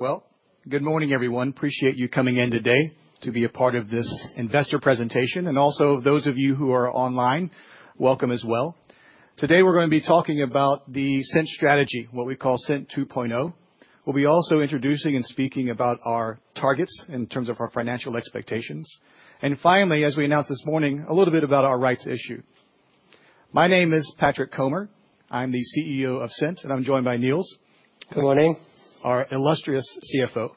Well, good morning, everyone. Appreciate you coming in today to be a part of this investor presentation. And also, those of you who are online, welcome as well. Today, we're going to be talking about the Cint strategy, what we call Cint 2.0. We'll be also introducing and speaking about our targets in terms of our financial expectations. And finally, as we announced this morning, a little bit about our rights issue. My name is Patrick Comer. I'm the CEO of Cint, and I'm joined by Niels. Good morning. Our illustrious CFO.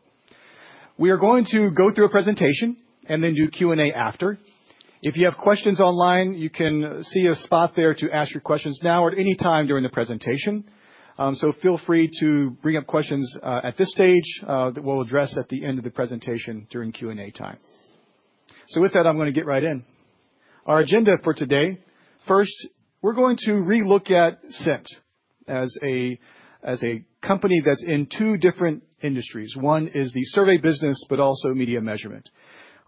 We are going to go through a presentation and then do Q&A after. If you have questions online, you can see a spot there to ask your questions now or at any time during the presentation. So feel free to bring up questions at this stage that we'll address at the end of the presentation during Q&A time. So with that, I'm going to get right in. Our agenda for today, first, we're going to relook at Cint as a company that's in two different industries. One is the survey business, but also media measurement.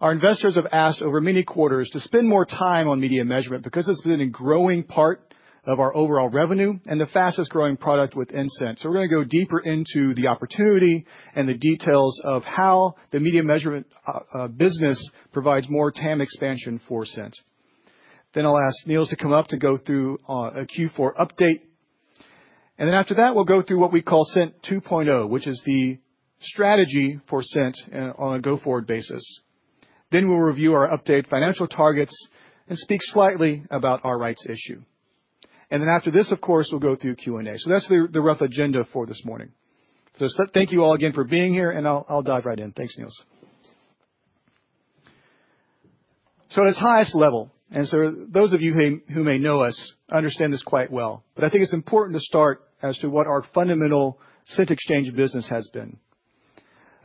Our investors have asked over many quarters to spend more time on media measurement because it's been a growing part of our overall revenue and the fastest-growing product within Cint. We're going to go deeper into the opportunity and the details of how the media measurement business provides more TAM expansion for Cint. Then I'll ask Niels to come up to go through a Q4 update. And then after that, we'll go through what we call Cint 2.0, which is the strategy for Cint on a go-forward basis. Then we'll review our updated financial targets and speak slightly about our rights issue. And then after this, of course, we'll go through Q&A. So that's the rough agenda for this morning. So thank you all again for being here, and I'll dive right in. Thanks, Niels. So at its highest level, and so those of you who may know us understand this quite well, but I think it's important to start as to what our fundamental Cint Exchange business has been.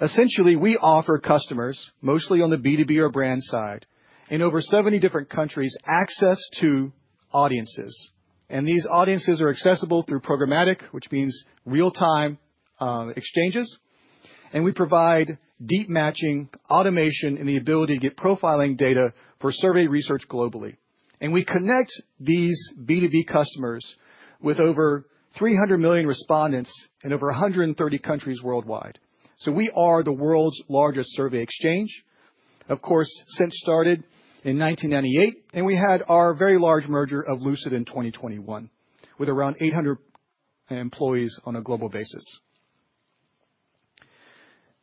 Essentially, we offer customers, mostly on the B2B or brand side, in over 70 different countries, access to audiences. And these audiences are accessible through programmatic, which means real-time exchanges. And we provide deep matching, automation, and the ability to get profiling data for survey research globally. And we connect these B2B customers with over 300 million respondents in over 130 countries worldwide. So we are the world's largest survey exchange. Of course, Cint started in 1998, and we had our very large merger of Lucid in 2021 with around 800 employees on a global basis.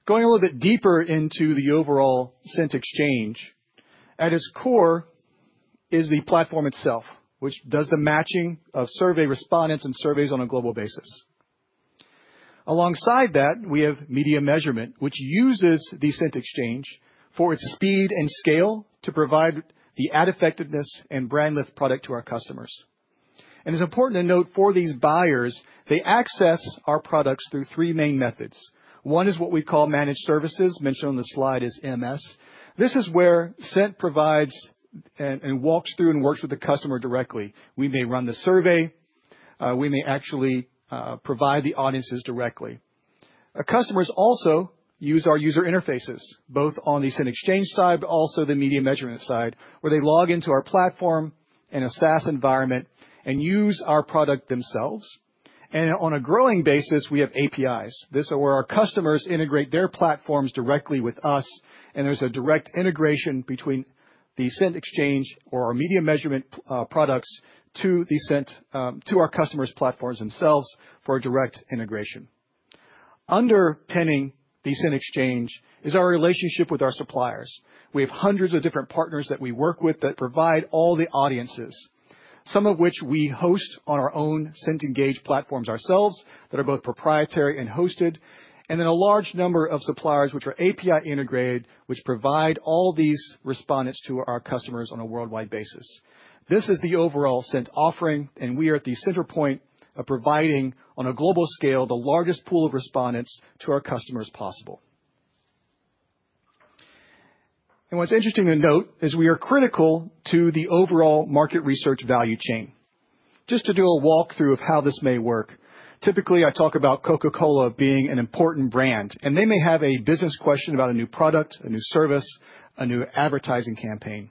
Going a little bit deeper into the overall Cint Exchange, at its core is the platform itself, which does the matching of survey respondents and surveys on a global basis. Alongside that, we have media measurement, which uses the Cint Exchange for its speed and scale to provide the ad effectiveness and brand lift product to our customers, and it's important to note for these buyers, they access our products through three main methods. One is what we call managed services, mentioned on the slide as MS. This is where Cint provides and walks through and works with the customer directly. We may run the survey. We may actually provide the audiences directly. Customers also use our user interfaces, both on the Cint Exchange side, but also the media measurement side, where they log into our platform in a SaaS environment and use our product themselves, and on a growing basis, we have APIs, where our customers integrate their platforms directly with us. There's a direct integration between the Cint Exchange or our media measurement products to our customers' platforms themselves for a direct integration. Underpinning the Cint Exchange is our relationship with our suppliers. We have hundreds of different partners that we work with that provide all the audiences, some of which we host on our own Cint Engage platforms ourselves that are both proprietary and hosted, and then a large number of suppliers which are API integrated, which provide all these respondents to our customers on a worldwide basis. This is the overall Cint offering, and we are at the center point of providing on a global scale the largest pool of respondents to our customers possible. What's interesting to note is we are critical to the overall market research value chain. Just to do a walkthrough of how this may work, typically I talk about Coca-Cola being an important brand, and they may have a business question about a new product, a new service, a new advertising campaign,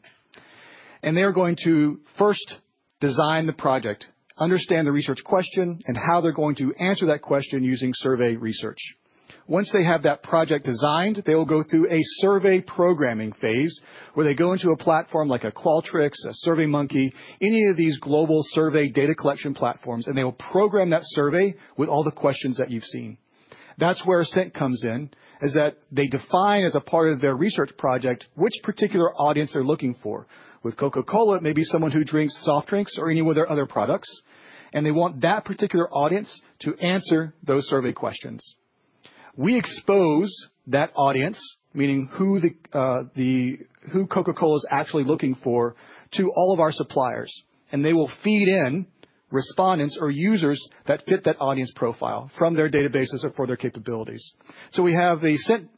and they are going to first design the project, understand the research question, and how they're going to answer that question using survey research. Once they have that project designed, they will go through a survey programming phase where they go into a platform like a Qualtrics, a SurveyMonkey, any of these global survey data collection platforms, and they will program that survey with all the questions that you've seen. That's where Cint comes in, is that they define as a part of their research project which particular audience they're looking for. With Coca-Cola, it may be someone who drinks soft drinks or any of their other products, and they want that particular audience to answer those survey questions. We expose that audience, meaning who Coca-Cola is actually looking for, to all of our suppliers, and they will feed in respondents or users that fit that audience profile from their databases or for their capabilities. So we have the Cint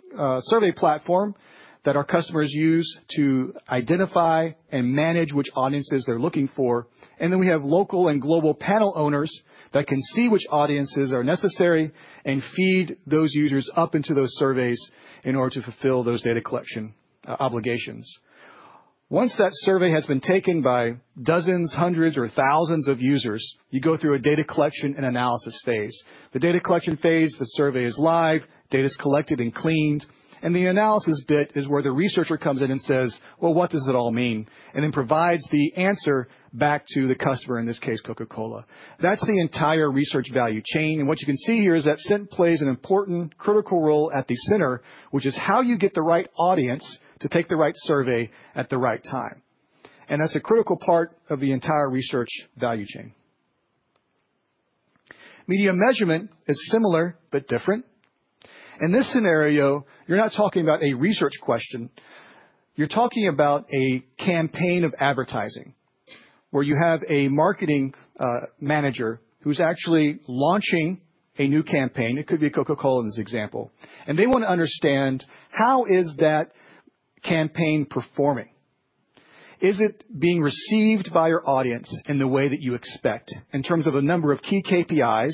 survey platform that our customers use to identify and manage which audiences they're looking for. And then we have local and global panel owners that can see which audiences are necessary and feed those users up into those surveys in order to fulfill those data collection obligations. Once that survey has been taken by dozens, hundreds, or thousands of users, you go through a data collection and analysis phase. The data collection phase, the survey is live, data's collected and cleaned, and the analysis bit is where the researcher comes in and says, "Well, what does it all mean?" and then provides the answer back to the customer, in this case, Coca-Cola. That's the entire research value chain. What you can see here is that Cint plays an important critical role at the center, which is how you get the right audience to take the right survey at the right time. That's a critical part of the entire research value chain. Media measurement is similar but different. In this scenario, you're not talking about a research question. You're talking about a campaign of advertising where you have a marketing manager who's actually launching a new campaign. It could be a Coca-Cola as an example. They want to understand how is that campaign performing? Is it being received by your audience in the way that you expect in terms of a number of key KPIs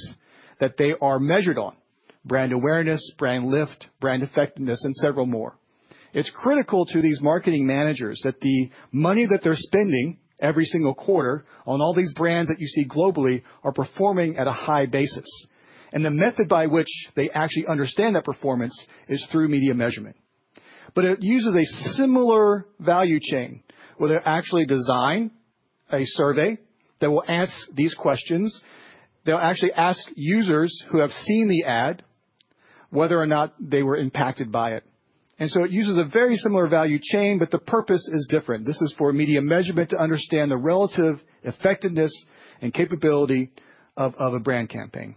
that they are measured on: brand awareness, brand lift, brand effectiveness, and several more? It's critical to these marketing managers that the money that they're spending every single quarter on all these brands that you see globally are performing at a high basis. And the method by which they actually understand that performance is through media measurement. But it uses a similar value chain where they'll actually design a survey that will ask these questions. They'll actually ask users who have seen the ad whether or not they were impacted by it. And so it uses a very similar value chain, but the purpose is different. This is for media measurement to understand the relative effectiveness and capability of a brand campaign.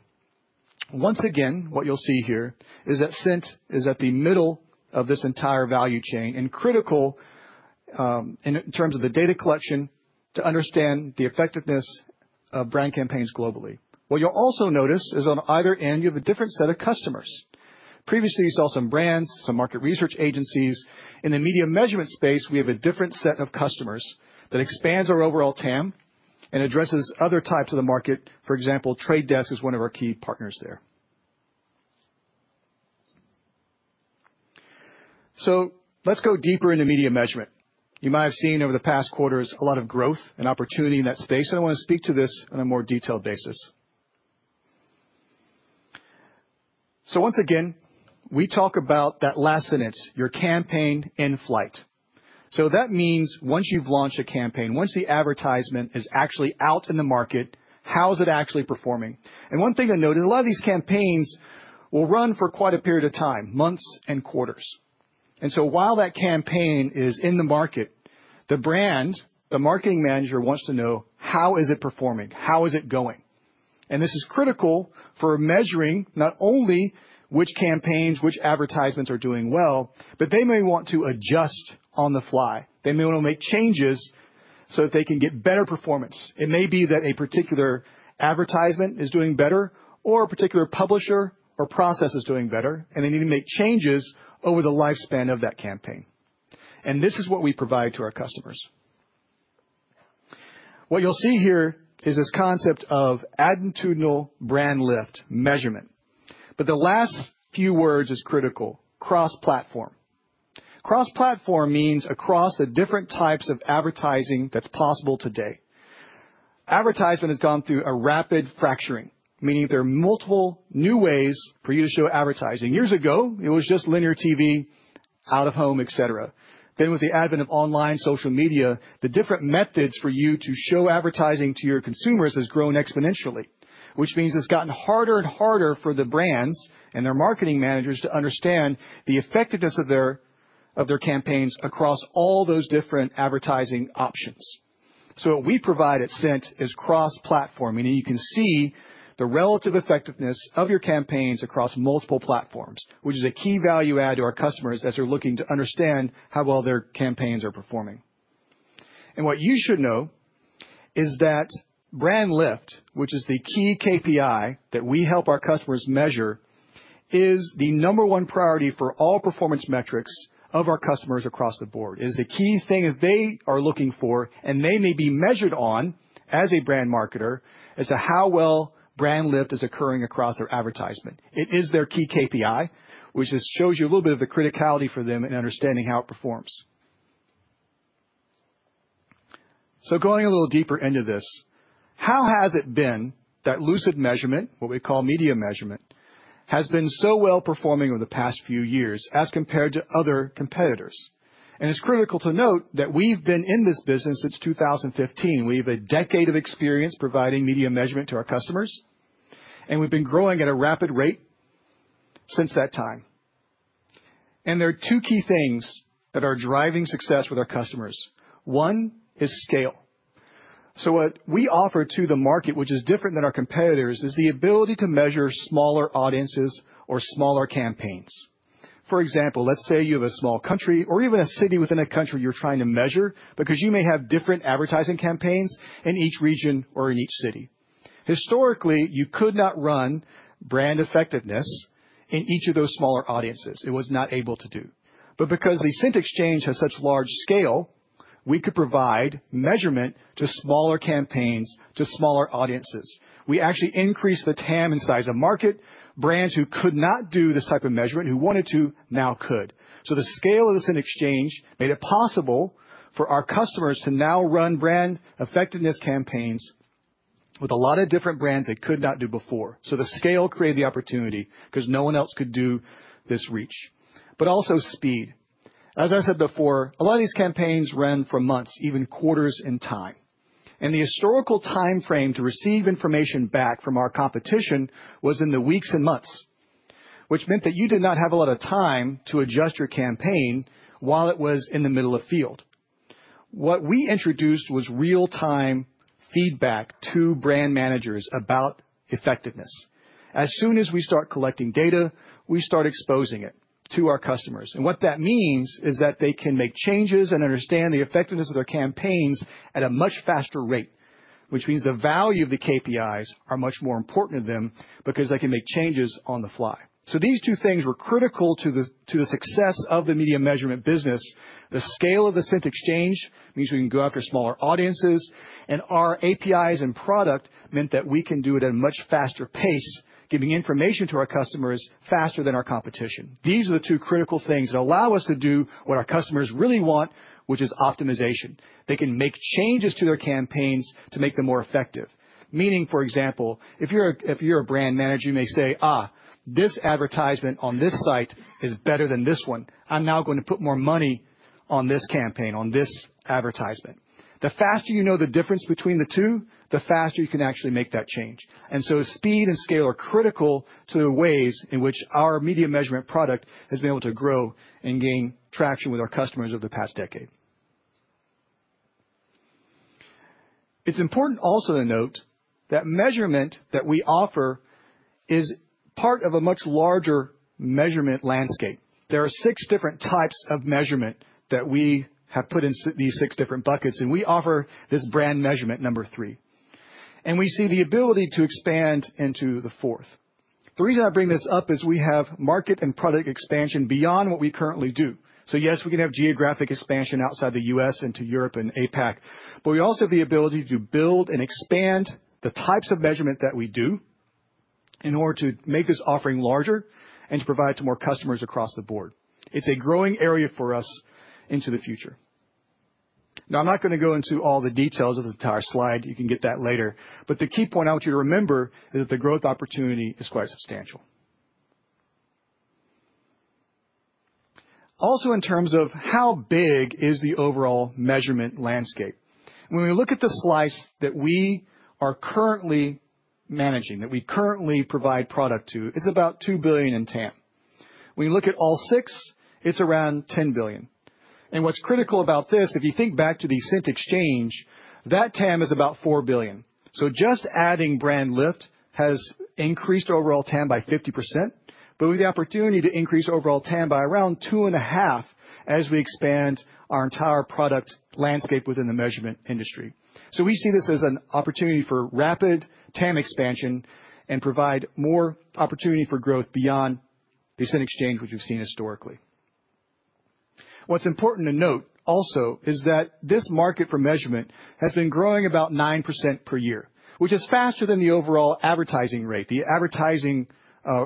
Once again, what you'll see here is that Cint is at the middle of this entire value chain and critical in terms of the data collection to understand the effectiveness of brand campaigns globally. What you'll also notice is on either end, you have a different set of customers. Previously, you saw some brands, some market research agencies. In the media measurement space, we have a different set of customers that expands our overall TAM and addresses other types of the market. For example, Trade Desk is one of our key partners there. So let's go deeper into media measurement. You might have seen over the past quarters a lot of growth and opportunity in that space, and I want to speak to this on a more detailed basis. So once again, we talk about that last sentence, your campaign in flight. So that means once you've launched a campaign, once the advertisement is actually out in the market, how is it actually performing? And one thing to note is a lot of these campaigns will run for quite a period of time, months and quarters. And so while that campaign is in the market, the brand, the marketing manager wants to know how is it performing, how is it going? And this is critical for measuring not only which campaigns, which advertisements are doing well, but they may want to adjust on the fly. They may want to make changes so that they can get better performance. It may be that a particular advertisement is doing better or a particular publisher or process is doing better, and they need to make changes over the lifespan of that campaign. And this is what we provide to our customers. What you'll see here is this concept of additional brand lift measurement. But the last few words are critical: cross-platform. Cross-platform means across the different types of advertising that's possible today. Advertisement has gone through a rapid fracturing, meaning there are multiple new ways for you to show advertising. Years ago, it was just linear TV, out of home, etc. Then with the advent of online social media, the different methods for you to show advertising to your consumers have grown exponentially, which means it's gotten harder and harder for the brands and their marketing managers to understand the effectiveness of their campaigns across all those different advertising options. So what we provide at Cint is cross-platform, meaning you can see the relative effectiveness of your campaigns across multiple platforms, which is a key value add to our customers as they're looking to understand how well their campaigns are performing. And what you should know is that brand lift, which is the key KPI that we help our customers measure, is the number one priority for all performance metrics of our customers across the board. It is the key thing that they are looking for, and they may be measured on as a brand marketer as to how well brand lift is occurring across their advertisement. It is their key KPI, which just shows you a little bit of the criticality for them in understanding how it performs. So going a little deeper into this, how has it been that Lucid measurement, what we call media measurement, has been so well performing over the past few years as compared to other competitors? And it's critical to note that we've been in this business since 2015. We have a decade of experience providing media measurement to our customers, and we've been growing at a rapid rate since that time. And there are two key things that are driving success with our customers. One is scale. So what we offer to the market, which is different than our competitors, is the ability to measure smaller audiences or smaller campaigns. For example, let's say you have a small country or even a city within a country you're trying to measure because you may have different advertising campaigns in each region or in each city. Historically, you could not run brand effectiveness in each of those smaller audiences. It was not able to do. But because the Cint Exchange has such large scale, we could provide measurement to smaller campaigns, to smaller audiences. We actually increased the TAM and size of market. Brands who could not do this type of measurement, who wanted to, now could. So the scale of the Cint Exchange made it possible for our customers to now run brand effectiveness campaigns with a lot of different brands they could not do before. So the scale created the opportunity because no one else could do this reach. But also speed. As I said before, a lot of these campaigns run for months, even quarters in time. And the historical timeframe to receive information back from our competition was in the weeks and months, which meant that you did not have a lot of time to adjust your campaign while it was in the middle of field. What we introduced was real-time feedback to brand managers about effectiveness. As soon as we start collecting data, we start exposing it to our customers. And what that means is that they can make changes and understand the effectiveness of their campaigns at a much faster rate, which means the value of the KPIs are much more important to them because they can make changes on the fly. So these two things were critical to the success of the media measurement business. The scale of the Cint Exchange means we can go after smaller audiences, and our APIs and product meant that we can do it at a much faster pace, giving information to our customers faster than our competition. These are the two critical things that allow us to do what our customers really want, which is optimization. They can make changes to their campaigns to make them more effective. Meaning, for example, if you're a brand manager, you may say, this advertisement on this site is better than this one. I'm now going to put more money on this campaign, on this advertisement." The faster you know the difference between the two, the faster you can actually make that change. And so speed and scale are critical to the ways in which our media measurement product has been able to grow and gain traction with our customers over the past decade. It's important also to note that measurement that we offer is part of a much larger measurement landscape. There are six different types of measurement that we have put in these six different buckets, and we offer this brand measurement, number three, and we see the ability to expand into the fourth. The reason I bring this up is we have market and product expansion beyond what we currently do. So yes, we can have geographic expansion outside the U.S. into Europe and APAC, but we also have the ability to build and expand the types of measurement that we do in order to make this offering larger and to provide to more customers across the board. It's a growing area for us into the future. Now, I'm not going to go into all the details of the entire slide. You can get that later. But the key point I want you to remember is that the growth opportunity is quite substantial. Also, in terms of how big is the overall measurement landscape, when we look at the slice that we are currently managing, that we currently provide product to, it's about $2 billion in TAM. When you look at all six, it's around $10 billion. And what's critical about this, if you think back to the Cint Exchange, that TAM is about $4 billion. So just adding brand lift has increased overall TAM by 50%, but we have the opportunity to increase overall TAM by around $2.5 billion as we expand our entire product landscape within the measurement industry. So we see this as an opportunity for rapid TAM expansion and provide more opportunity for growth beyond the Cint Exchange, which we've seen historically. What's important to note also is that this market for measurement has been growing about 9% per year, which is faster than the overall advertising rate. The advertising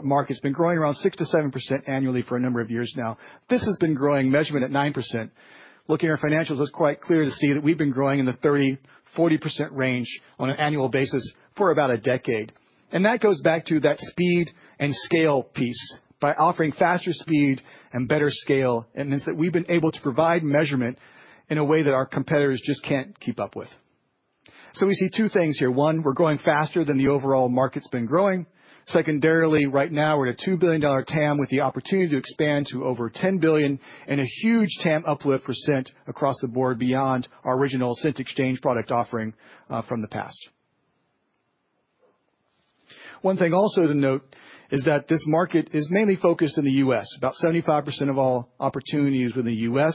market's been growing around 6%-7% annually for a number of years now. This has been growing measurement at 9%. Looking at our financials, it's quite clear to see that we've been growing in the 30%-40% range on an annual basis for about a decade, and that goes back to that speed and scale piece. By offering faster speed and better scale, it means that we've been able to provide measurement in a way that our competitors just can't keep up with, so we see two things here. One, we're growing faster than the overall market's been growing. Secondarily, right now we're at a $2 billion TAM with the opportunity to expand to over $10 billion and a huge TAM uplift for Cint across the board beyond our original Cint Exchange product offering from the past. One thing also to note is that this market is mainly focused in the U.S. About 75% of all opportunity is within the U.S.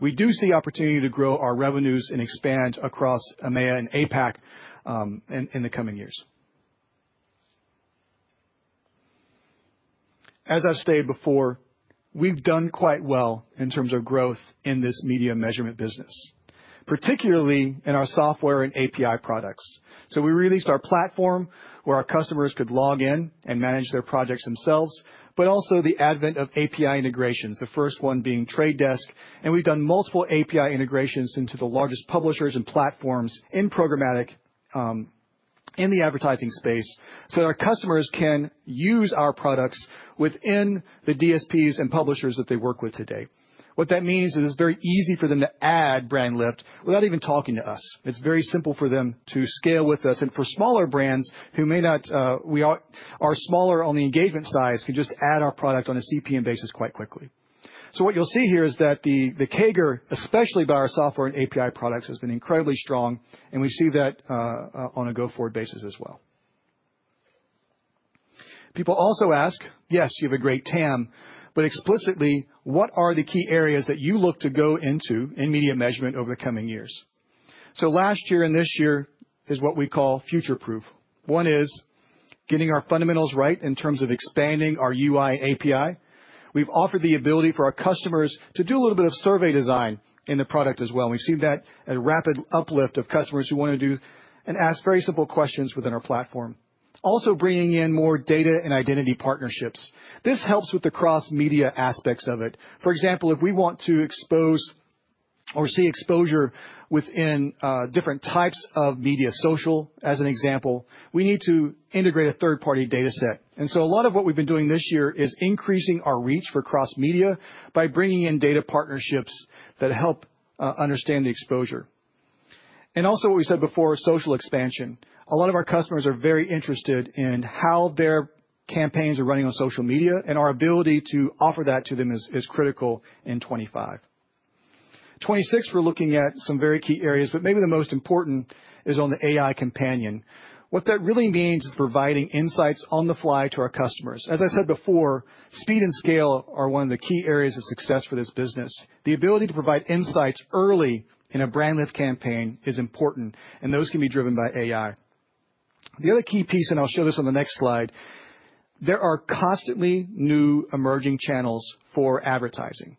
We do see opportunity to grow our revenues and expand across EMEA and APAC in the coming years. As I've stated before, we've done quite well in terms of growth in this media measurement business, particularly in our software and API products. So we released our platform where our customers could log in and manage their projects themselves, but also the advent of API integrations, the first one being Trade Desk. And we've done multiple API integrations into the largest publishers and platforms in programmatic in the advertising space so that our customers can use our products within the DSPs and publishers that they work with today. What that means is it's very easy for them to add brand lift without even talking to us. It's very simple for them to scale with us. And for smaller brands who may not our smaller on the engagement size can just add our product on a CPM basis quite quickly. So what you'll see here is that the CAGR, especially by our software and API products, has been incredibly strong, and we see that on a go-forward basis as well. People also ask, "Yes, you have a great TAM, but explicitly, what are the key areas that you look to go into in media measurement over the coming years?" So last year and this year is what we call future-proof. One is getting our fundamentals right in terms of expanding our UI API. We've offered the ability for our customers to do a little bit of survey design in the product as well. We've seen that a rapid uplift of customers who want to do and ask very simple questions within our platform. Also bringing in more data and identity partnerships. This helps with the cross-media aspects of it. For example, if we want to expose or see exposure within different types of media, social as an example, we need to integrate a third-party data set. And so a lot of what we've been doing this year is increasing our reach for cross-media by bringing in data partnerships that help understand the exposure. And also what we said before, social expansion. A lot of our customers are very interested in how their campaigns are running on social media, and our ability to offer that to them is critical in 2025, 2026. We're looking at some very key areas, but maybe the most important is on the AI companion. What that really means is providing insights on the fly to our customers. As I said before, speed and scale are one of the key areas of success for this business. The ability to provide insights early in a brand lift campaign is important, and those can be driven by AI. The other key piece, and I'll show this on the next slide. There are constantly new emerging channels for advertising.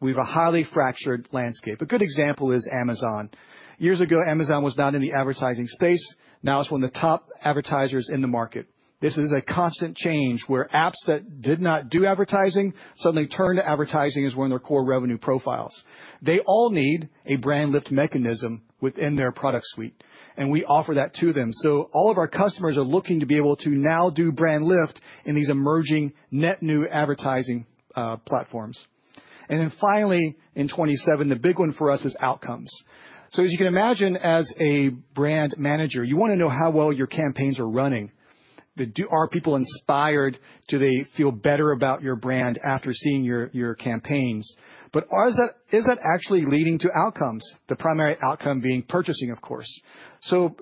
We have a highly fractured landscape. A good example is Amazon. Years ago, Amazon was not in the advertising space. Now it's one of the top advertisers in the market. This is a constant change where apps that did not do advertising suddenly turn to advertising as one of their core revenue profiles. They all need a brand lift mechanism within their product suite, and we offer that to them, so all of our customers are looking to be able to now do brand lift in these emerging net new advertising platforms. And then finally, in 2027, the big one for us is outcomes. So as you can imagine, as a brand manager, you want to know how well your campaigns are running. Are people inspired? Do they feel better about your brand after seeing your campaigns? But is that actually leading to outcomes? The primary outcome being purchasing, of course. So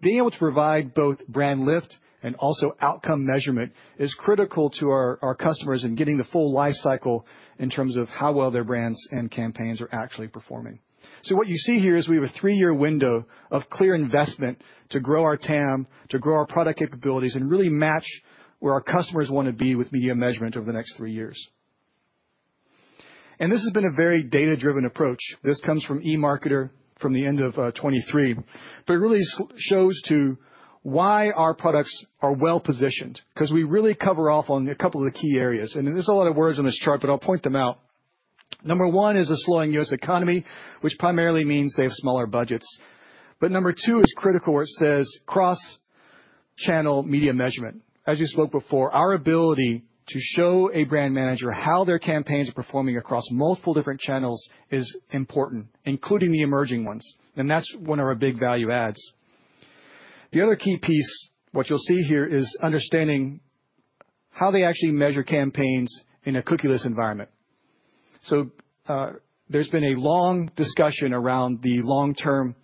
being able to provide both brand lift and also outcome measurement is critical to our customers in getting the full lifecycle in terms of how well their brands and campaigns are actually performing. So what you see here is we have a three-year window of clear investment to grow our TAM, to grow our product capabilities, and really match where our customers want to be with media measurement over the next three years. And this has been a very data-driven approach. This comes from eMarketer from the end of 2023, but it really shows to why our products are well positioned because we really cover off on a couple of the key areas. And there's a lot of words on this chart, but I'll point them out. Number one is a slowing U.S. economy, which primarily means they have smaller budgets. But number two is critical where it says cross-channel media measurement. As we spoke before, our ability to show a brand manager how their campaigns are performing across multiple different channels is important, including the emerging ones. And that's one of our big value adds. The other key piece, what you'll see here, is understanding how they actually measure campaigns in a cookieless environment. So there's been a long discussion around the long-term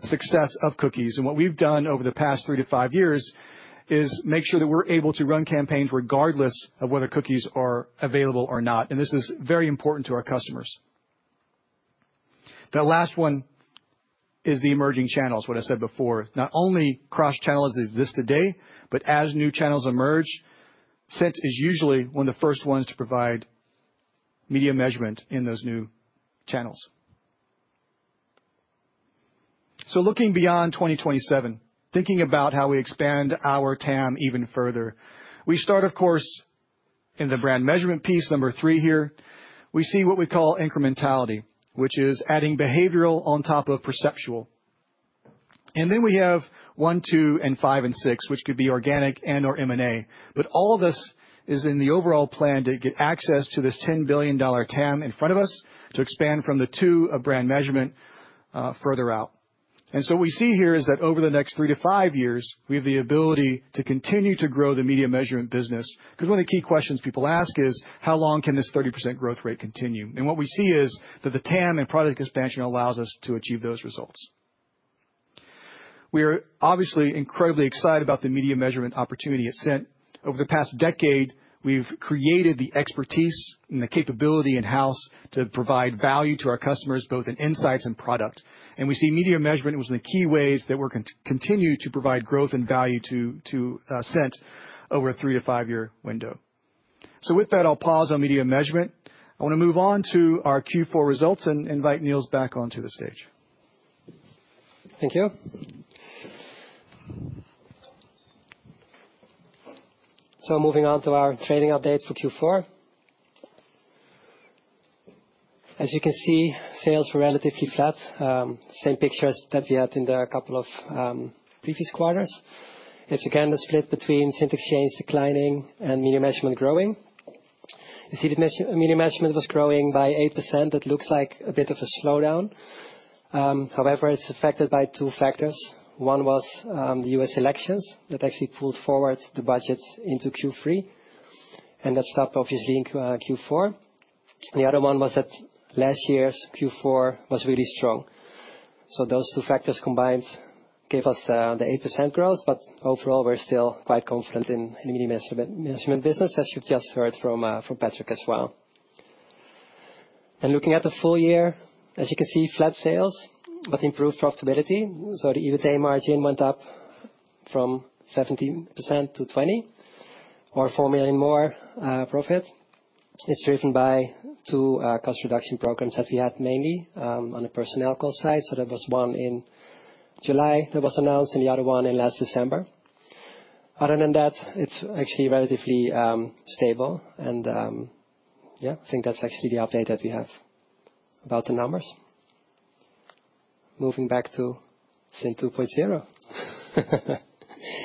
success of cookies. What we've done over the past three to five years is make sure that we're able to run campaigns regardless of whether cookies are available or not. This is very important to our customers. The last one is the emerging channels, what I said before. Not only cross-channel as they exist today, but as new channels emerge, Cint is usually one of the first ones to provide media measurement in those new channels. Looking beyond 2027, thinking about how we expand our TAM even further, we start, of course, in the brand measurement piece, number three here. We see what we call incrementality, which is adding behavioral on top of perceptual. We have one, two, and five, and six, which could be organic and/or M&A. But all of this is in the overall plan to get access to this $10 billion TAM in front of us to expand from the world of brand measurement further out. So what we see here is that over the next three to five years, we have the ability to continue to grow the media measurement business because one of the key questions people ask is, how long can this 30% growth rate continue? What we see is that the TAM and product expansion allows us to achieve those results. We are obviously incredibly excited about the media measurement opportunity at Cint. Over the past decade, we've created the expertise and the capability in-house to provide value to our customers, both in insights and product. We see media measurement was one of the key ways that we're continuing to provide growth and value to Cint over a three- to five-year window. With that, I'll pause on media measurement. I want to move on to our Q4 results and invite Niels back onto the stage. Thank you. Moving on to our trading updates for Q4. As you can see, sales were relatively flat. Same picture as that we had in the couple of previous quarters. It's again a split between Cint Exchange declining and media measurement growing. You see that media measurement was growing by 8%. That looks like a bit of a slowdown. However, it's affected by two factors. One was the U.S. elections that actually pulled forward the budgets into Q3, and that stopped obviously in Q4. The other one was that last year's Q4 was really strong. So those two factors combined gave us the 8% growth, but overall, we're still quite confident in the media measurement business, as you've just heard from Patrick as well. And looking at the full year, as you can see, flat sales, but improved profitability. So the EBITDA margin went up from 17% to 20%, or 4 million more profit. It's driven by two cost reduction programs that we had mainly on the personnel cost side. So that was one in July that was announced and the other one in last December. Other than that, it's actually relatively stable. And yeah, I think that's actually the update that we have about the numbers. Moving back to Cint 2.0.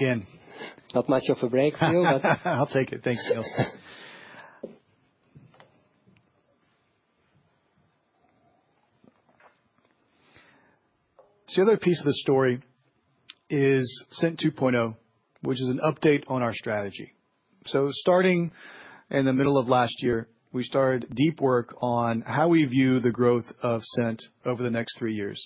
Again. Not much of a break for you. I'll take it. Thanks, Niels. So the other piece of the story is Cint 2.0, which is an update on our strategy. So starting in the middle of last year, we started deep work on how we view the growth of Cint over the next three years,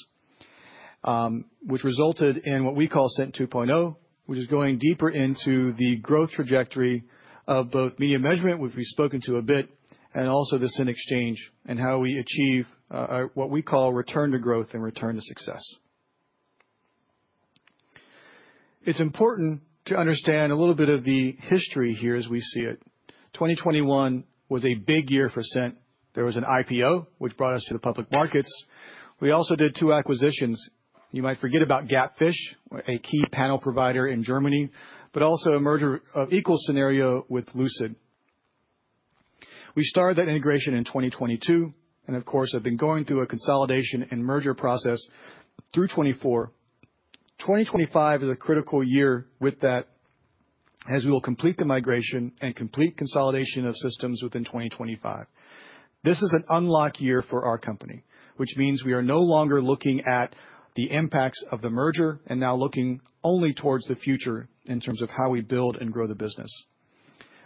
which resulted in what we call Cint 2.0, which is going deeper into the growth trajectory of both media measurement, which we've spoken to a bit, and also the Cint Exchange and how we achieve what we call return to growth and return to success. It's important to understand a little bit of the history here as we see it. 2021 was a big year for Cint. There was an IPO, which brought us to the public markets. We also did two acquisitions. You might forget about Gapfish, a key panel provider in Germany, but also a merger of equals scenario with Lucid. We started that integration in 2022, and of course, have been going through a consolidation and merger process through 2024. 2025 is a critical year with that as we will complete the migration and complete consolidation of systems within 2025. This is an unlock year for our company, which means we are no longer looking at the impacts of the merger and now looking only towards the future in terms of how we build and grow the business.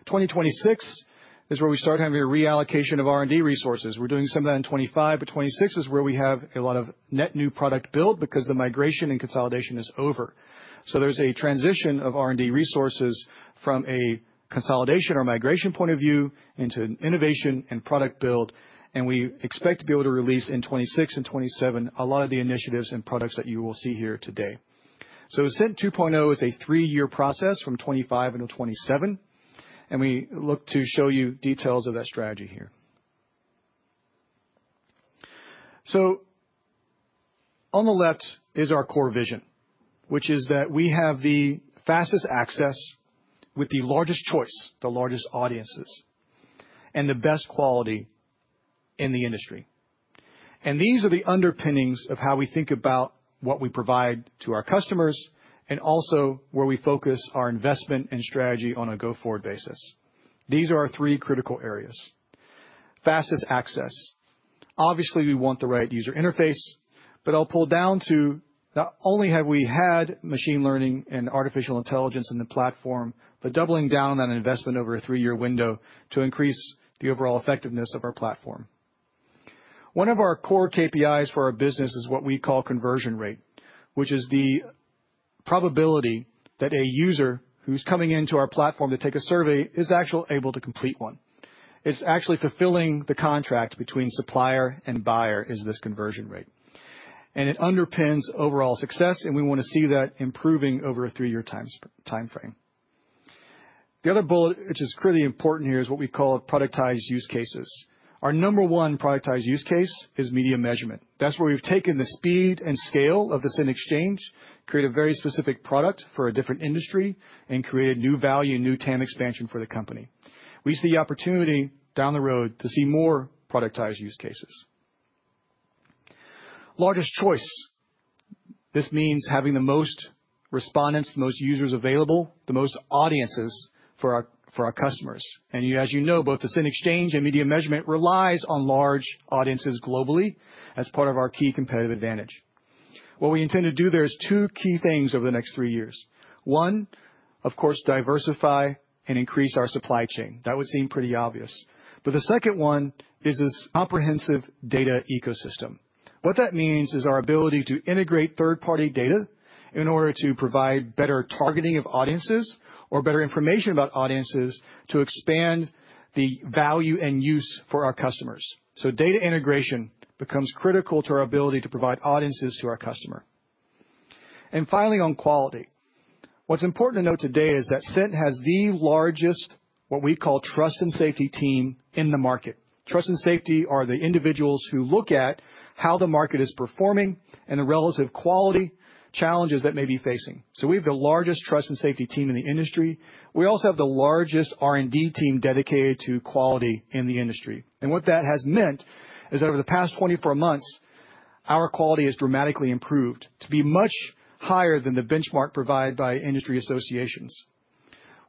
2026 is where we start having a reallocation of R&D resources. We're doing some of that in 2025, but 2026 is where we have a lot of net new product build because the migration and consolidation is over. So there's a transition of R&D resources from a consolidation or migration point of view into innovation and product build, and we expect to be able to release in 2026 and 2027 a lot of the initiatives and products that you will see here today. Cint 2.0 is a three-year process from 2025 into 2027, and we look to show you details of that strategy here. So on the left is our core vision, which is that we have the fastest access with the largest choice, the largest audiences, and the best quality in the industry. And these are the underpinnings of how we think about what we provide to our customers and also where we focus our investment and strategy on a go-forward basis. These are our three critical areas. Fastest access. Obviously, we want the right user interface, but I'll pull down to not only have we had machine learning and artificial intelligence in the platform, but doubling down on that investment over a three-year window to increase the overall effectiveness of our platform. One of our core KPIs for our business is what we call conversion rate, which is the probability that a user who's coming into our platform to take a survey is actually able to complete one. It's actually fulfilling the contract between supplier and buyer, is this conversion rate, and it underpins overall success, and we want to see that improving over a three-year timeframe. The other bullet, which is critically important here, is what we call productized use cases. Our number one productized use case is media measurement. That's where we've taken the speed and scale of the Cint Exchange, created a very specific product for a different industry, and created new value and new TAM expansion for the company. We see the opportunity down the road to see more productized use cases. Largest choice. This means having the most respondents, the most users available, the most audiences for our customers. And as you know, both the Cint Exchange and media measurement relies on large audiences globally as part of our key competitive advantage. What we intend to do there is two key things over the next three years. One, of course, diversify and increase our supply chain. That would seem pretty obvious. But the second one is this comprehensive data ecosystem. What that means is our ability to integrate third-party data in order to provide better targeting of audiences or better information about audiences to expand the value and use for our customers. So data integration becomes critical to our ability to provide audiences to our customer. And finally, on quality. What's important to note today is that Cint has the largest, what we call, trust and safety team in the market. Trust and safety are the individuals who look at how the market is performing and the relative quality challenges that may be facing. So we have the largest trust and safety team in the industry. We also have the largest R&D team dedicated to quality in the industry. And what that has meant is that over the past 24 months, our quality has dramatically improved to be much higher than the benchmark provided by industry associations.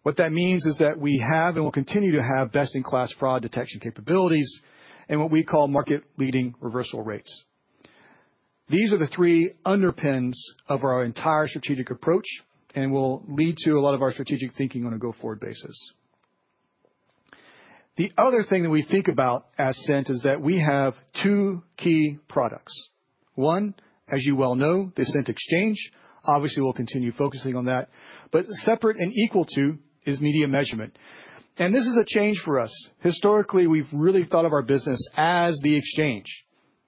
What that means is that we have and will continue to have best-in-class fraud detection capabilities and what we call market-leading reversal rates. These are the three underpins of our entire strategic approach and will lead to a lot of our strategic thinking on a go-forward basis. The other thing that we think about as Cint is that we have two key products. One, as you well know, the Cint Exchange. Obviously, we'll continue focusing on that. But separate and equal to is media measurement. And this is a change for us. Historically, we've really thought of our business as the exchange,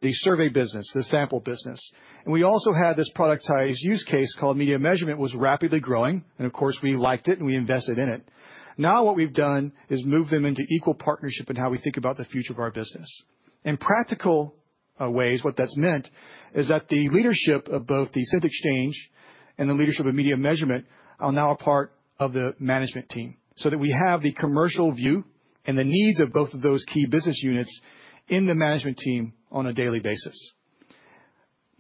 the survey business, the sample business. And we also had this productized use case called media measurement was rapidly growing, and of course, we liked it and we invested in it. Now what we've done is moved them into equal partnership in how we think about the future of our business. In practical ways, what that's meant is that the leadership of both the Cint Exchange and the leadership of media measurement are now a part of the management team so that we have the commercial view and the needs of both of those key business units in the management team on a daily basis.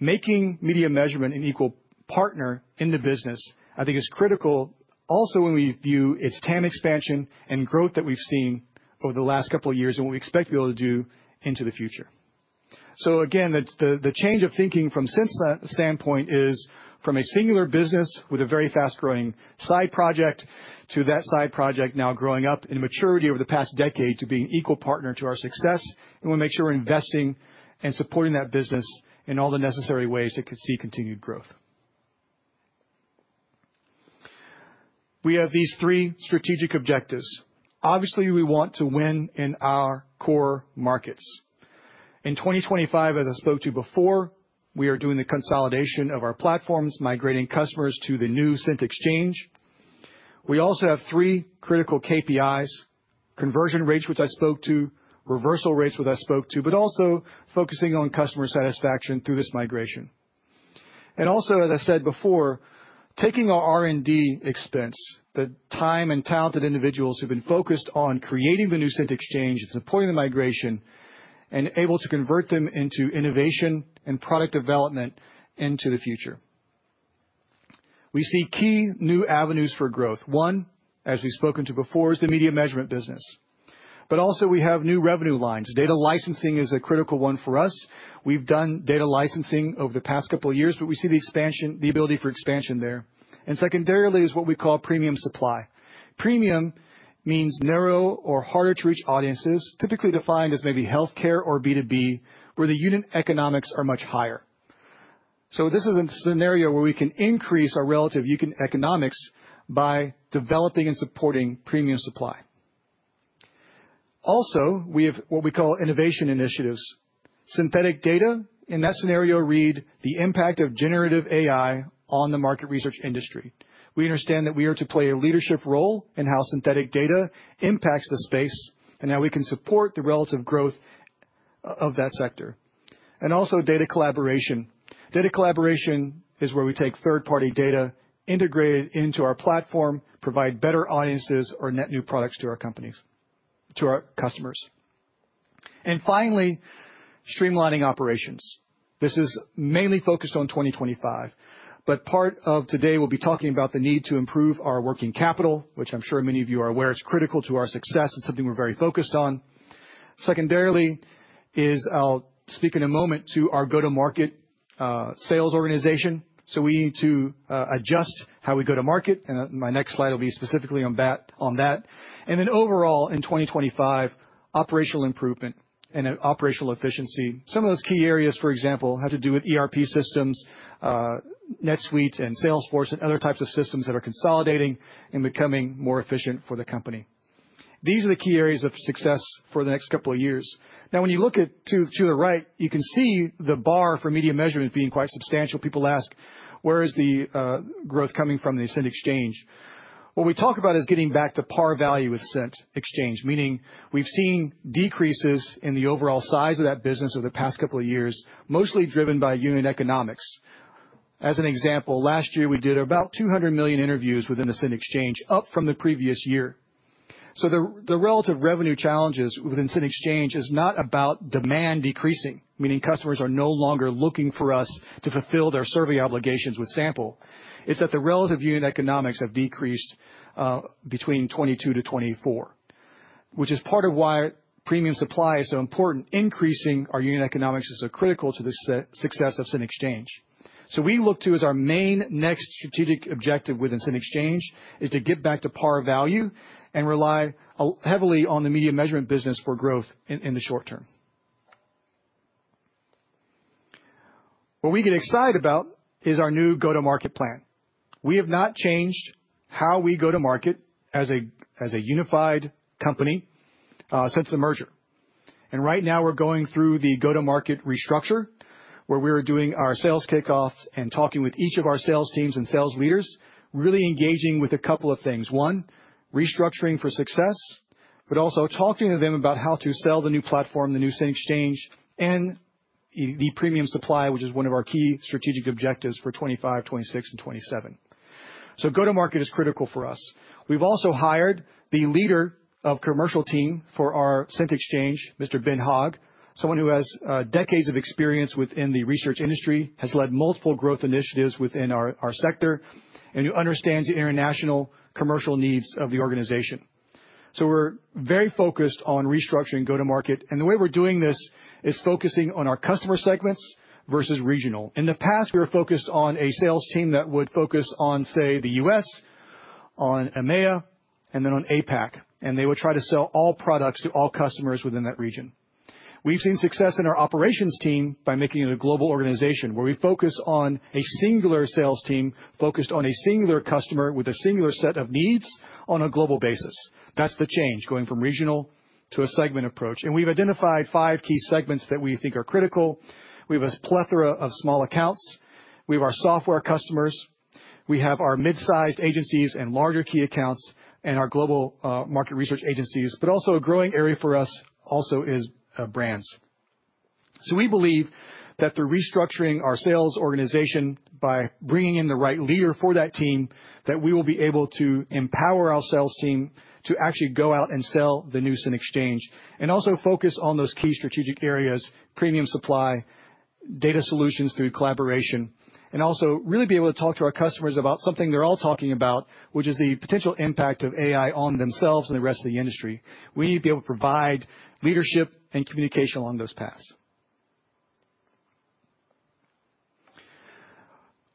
Making media measurement an equal partner in the business, I think, is critical also when we view its TAM expansion and growth that we've seen over the last couple of years and what we expect to be able to do into the future. So again, the change of thinking from Cint's standpoint is from a singular business with a very fast-growing side project to that side project now growing up in maturity over the past decade to being an equal partner to our success. And we want to make sure we're investing and supporting that business in all the necessary ways to see continued growth. We have these three strategic objectives. Obviously, we want to win in our core markets. In 2025, as I spoke to before, we are doing the consolidation of our platforms, migrating customers to the new Cint Exchange. We also have three critical KPIs: conversion rates, which I spoke to, reversal rates, which I spoke to, but also focusing on customer satisfaction through this migration, and also, as I said before, taking our R&D expense, the time and talented individuals who've been focused on creating the new Cint Exchange and supporting the migration and able to convert them into innovation and product development into the future. We see key new avenues for growth. One, as we've spoken to before, is the media measurement business, but also, we have new revenue lines. Data licensing is a critical one for us. We've done data licensing over the past couple of years, but we see the ability for expansion there, and secondarily is what we call premium supply. Premium means narrow or harder-to-reach audiences, typically defined as maybe healthcare or B2B, where the unit economics are much higher. So this is a scenario where we can increase our relative unit economics by developing and supporting premium supply. Also, we have what we call innovation initiatives. Synthetic data in that scenario read the impact of generative AI on the market research industry. We understand that we are to play a leadership role in how synthetic data impacts the space and how we can support the relative growth of that sector. And also, data collaboration. Data collaboration is where we take third-party data, integrate it into our platform, provide better audiences, or net new products to our customers. And finally, streamlining operations. This is mainly focused on 2025, but part of today we'll be talking about the need to improve our working capital, which I'm sure many of you are aware. It's critical to our success. It's something we're very focused on. Secondarily is I'll speak in a moment to our go-to-market sales organization. So we need to adjust how we go to market, and my next slide will be specifically on that, and then overall, in 2025, operational improvement and operational efficiency. Some of those key areas, for example, have to do with ERP systems, NetSuite, and Salesforce, and other types of systems that are consolidating and becoming more efficient for the company. These are the key areas of success for the next couple of years. Now, when you look to the right, you can see the bar for media measurement being quite substantial. People ask, "Where is the growth coming from the Cint Exchange?" What we talk about is getting back to par value with Cint Exchange, meaning we've seen decreases in the overall size of that business over the past couple of years, mostly driven by unit economics. As an example, last year, we did about 200 million interviews within the Cint Exchange, up from the previous year. So the relative revenue challenges within Cint Exchange is not about demand decreasing, meaning customers are no longer looking for us to fulfill their survey obligations with sample. It's that the relative unit economics have decreased between 2022 to 2024, which is part of why premium supply is so important. Increasing our unit economics is so critical to the success of Cint Exchange. So we look to as our main next strategic objective within Cint Exchange is to get back to par value and rely heavily on the media measurement business for growth in the short term. What we get excited about is our new go-to-market plan. We have not changed how we go to market as a unified company since the merger. Right now, we're going through the go-to-market restructure, where we're doing our sales kickoffs and talking with each of our sales teams and sales leaders, really engaging with a couple of things. One, restructuring for success, but also talking to them about how to sell the new platform, the new Cint Exchange, and the premium supply, which is one of our key strategic objectives for 2025, 2026, and 2027. Go-to-market is critical for us. We've also hired the leader of the commercial team for our Cint Exchange, Mr. Ben Hogg, someone who has decades of experience within the research industry, has led multiple growth initiatives within our sector, and who understands the international commercial needs of the organization. We're very focused on restructuring go-to-market. The way we're doing this is focusing on our customer segments versus regional. In the past, we were focused on a sales team that would focus on, say, the US, on EMEA, and then on APAC, and they would try to sell all products to all customers within that region. We've seen success in our operations team by making it a global organization, where we focus on a singular sales team focused on a singular customer with a singular set of needs on a global basis. That's the change, going from regional to a segment approach, and we've identified five key segments that we think are critical. We have a plethora of small accounts. We have our software customers. We have our mid-sized agencies and larger key accounts and our global market research agencies. But also a growing area for us is brands. We believe that through restructuring our sales organization by bringing in the right leader for that team, that we will be able to empower our sales team to actually go out and sell the new Cint Exchange and also focus on those key strategic areas, premium supply, data solutions through collaboration, and also really be able to talk to our customers about something they're all talking about, which is the potential impact of AI on themselves and the rest of the industry. We need to be able to provide leadership and communication along those paths.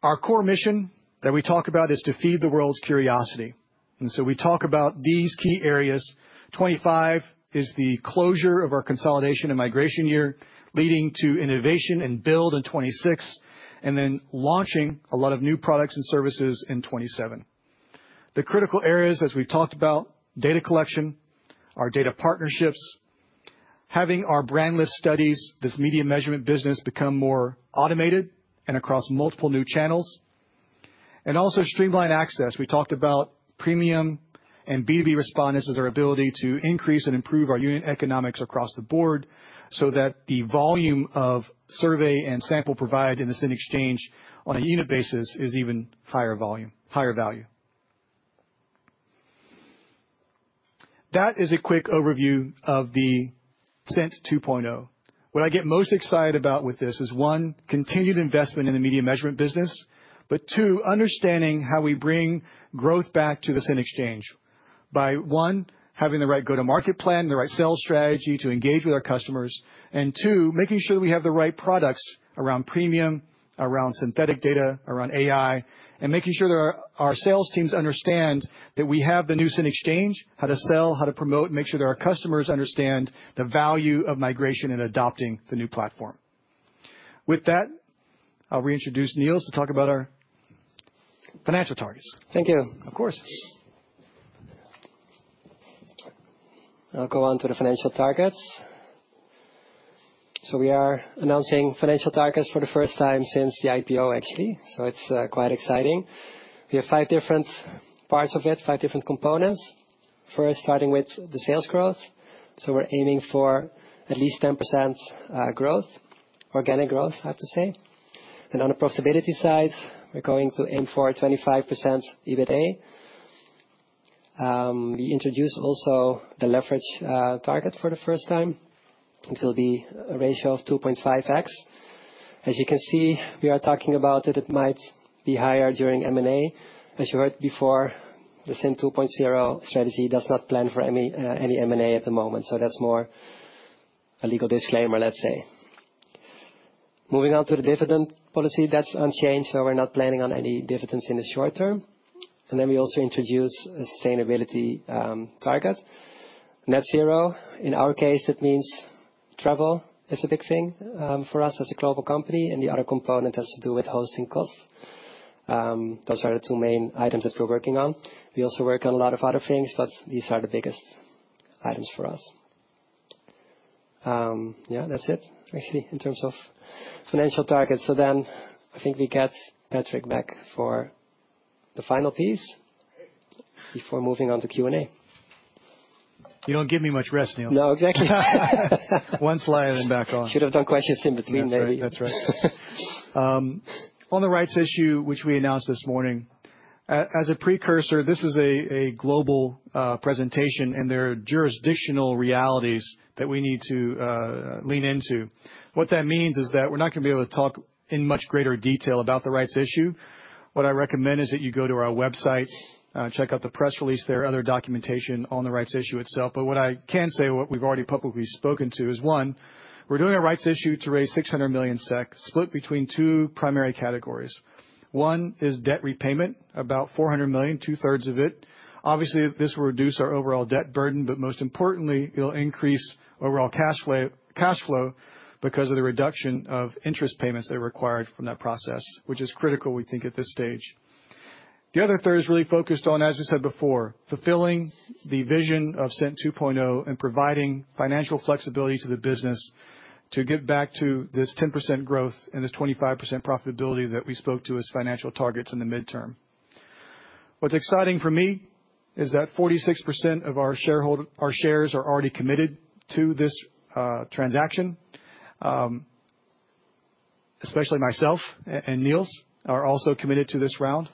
Our core mission that we talk about is to feed the world's curiosity. We talk about these key areas. 2025 is the closure of our consolidation and migration year, leading to innovation and build in 2026, and then launching a lot of new products and services in 2027. The critical areas, as we've talked about, data collection, our data partnerships, having our brand lift studies, this media measurement business become more automated and across multiple new channels, and also streamlined access. We talked about premium and B2B respondents as our ability to increase and improve our unit economics across the board so that the volume of survey and sample provided in the Cint Exchange on a unit basis is even higher volume, higher value. That is a quick overview of the Cint 2.0. What I get most excited about with this is, one, continued investment in the media measurement business, but two, understanding how we bring growth back to the Cint Exchange by, one, having the right go-to-market plan and the right sales strategy to engage with our customers, and two, making sure that we have the right products around premium, around synthetic data, around AI, and making sure that our sales teams understand that we have the new Cint Exchange, how to sell, how to promote, make sure that our customers understand the value of migration and adopting the new platform. With that, I'll reintroduce Niels to talk about our financial targets. Thank you. Of course. I'll go on to the financial targets, so we are announcing financial targets for the first time since the IPO, actually, so it's quite exciting. We have five different parts of it, five different components. First, starting with the sales growth, so we're aiming for at least 10% growth, organic growth, I have to say, and on the profitability side, we're going to aim for 25% EBITDA. We introduced also the leverage target for the first time. It will be a ratio of 2.5x. As you can see, we are talking about that it might be higher during M&A. As you heard before, the Cint 2.0 strategy does not plan for any M&A at the moment, so that's more a legal disclaimer, let's say. Moving on to the dividend policy, that's unchanged, so we're not planning on any dividends in the short term. And then we also introduce a sustainability target, net zero. In our case, that means travel is a big thing for us as a global company, and the other component has to do with hosting costs. Those are the two main items that we're working on. We also work on a lot of other things, but these are the biggest items for us. Yeah, that's it, actually, in terms of financial targets. So then I think we get Patrick back for the final piece before moving on to Q&A. You don't give me much rest, Niels. No, exactly. One slide and then back on. Should have done questions in between, maybe. That's right. That's right. On the rights issue, which we announced this morning, as a precursor, this is a global presentation, and there are jurisdictional realities that we need to lean into. What that means is that we're not going to be able to talk in much greater detail about the rights issue. What I recommend is that you go to our website, check out the press release there, other documentation on the rights issue itself. But what I can say, what we've already publicly spoken to, is one, we're doing a rights issue to raise 600 million SEK, split between two primary categories. One is debt repayment, about 400 million, two-thirds of it. Obviously, this will reduce our overall debt burden, but most importantly, it'll increase overall cash flow because of the reduction of interest payments that are required from that process, which is critical, we think, at this stage. The other third is really focused on, as we said before, fulfilling the vision of Cint 2.0 and providing financial flexibility to the business to get back to this 10% growth and this 25% profitability that we spoke to as financial targets in the midterm. What's exciting for me is that 46% of our shares are already committed to this transaction, especially myself and Niels are also committed to this round.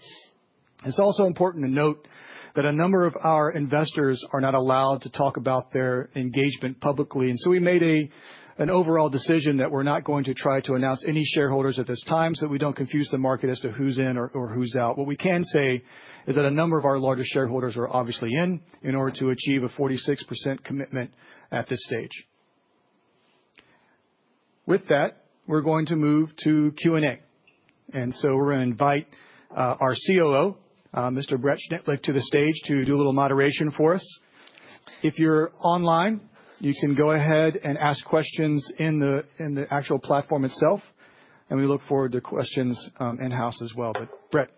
It's also important to note that a number of our investors are not allowed to talk about their engagement publicly. We made an overall decision that we're not going to try to announce any shareholders at this time so that we don't confuse the market as to who's in or who's out. What we can say is that a number of our larger shareholders are obviously in order to achieve a 46% commitment at this stage. With that, we're going to move to Q&A. We're going to invite our COO, Mr. Brett Schnittlich, to the stage to do a little moderation for us. If you're online, you can go ahead and ask questions in the actual platform itself, and we look forward to questions in-house as well. But Brett.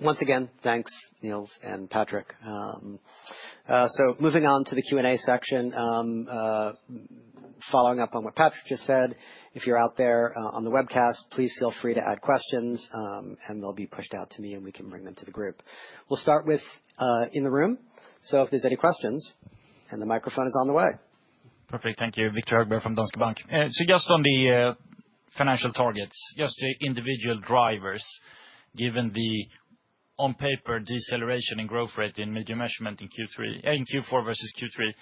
Once again, thanks, Niels and Patrick. Moving on to the Q&A section, following up on what Patrick just said, if you're out there on the webcast, please feel free to add questions, and they'll be pushed out to me, and we can bring them to the group. We'll start with in the room. If there's any questions, and the microphone is on the way. Perfect. Thank you, Victor Högberg from Danske Bank, so just on the financial targets, just the individual drivers, given the on-paper deceleration in growth rate in media measurement in Q4 versus Q3,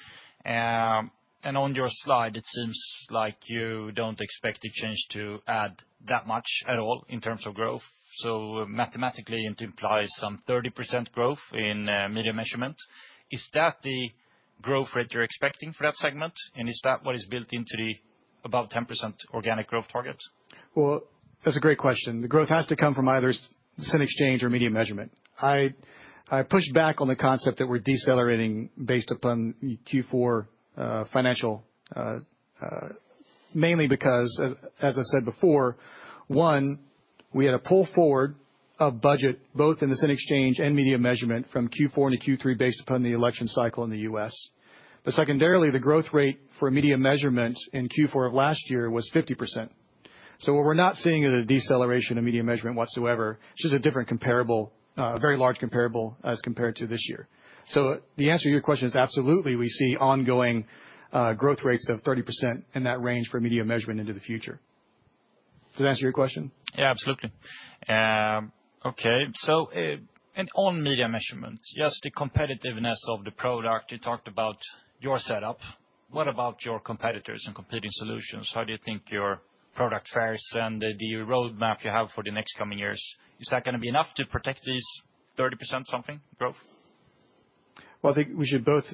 and on your slide, it seems like you don't expect the change to add that much at all in terms of growth, so mathematically, it implies some 30% growth in media measurement. Is that the growth rate you're expecting for that segment, and is that what is built into the above 10% organic growth target? That's a great question. The growth has to come from either Cint Exchange or media measurement. I pushed back on the concept that we're decelerating based upon Q4 financial, mainly because, as I said before, one, we had a pull forward of budget, both in the Cint Exchange and media measurement, from Q4 into Q3 based upon the election cycle in the U.S. But secondarily, the growth rate for media measurement in Q4 of last year was 50%. So what we're not seeing is a deceleration of media measurement whatsoever. It's just a different comparable, a very large comparable as compared to this year. So the answer to your question is absolutely, we see ongoing growth rates of 30% in that range for media measurement into the future. Does that answer your question? Yeah, absolutely. Okay. So on media measurement, just the competitiveness of the product you talked about, your setup, what about your competitors and competing solutions? How do you think your product fares and the roadmap you have for the next coming years, is that going to be enough to protect these 30% something growth? I think we should both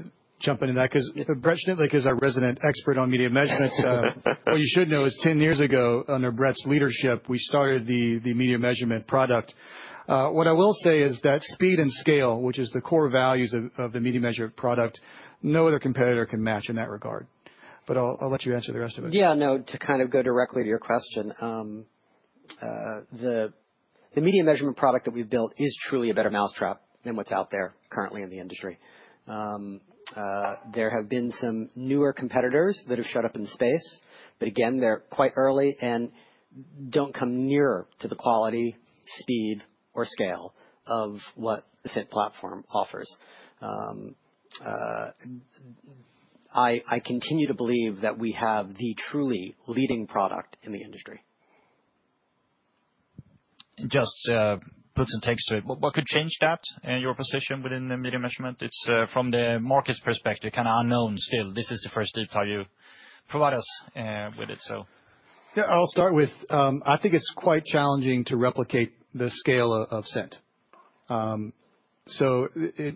jump into that because Brett Schnittlich is our resident expert on media measurement. What you should know is 10 years ago, under Brett's leadership, we started the media measurement product. What I will say is that speed and scale, which is the core values of the media measurement product, no other competitor can match in that regard. But I'll let you answer the rest of it. Yeah. No, to kind of go directly to your question, the media measurement product that we've built is truly a better mousetrap than what's out there currently in the industry. There have been some newer competitors that have shot up in the space, but again, they're quite early and don't come near to the quality, speed, or scale of what the Cint platform offers. I continue to believe that we have the truly leading product in the industry. And just puts a text to it. What could change that in your position within the media measurement? It's from the market's perspective, kind of unknown still. This is the first deep target you provide us with it, so. Yeah, I'll start with, I think, it's quite challenging to replicate the scale of Cint. So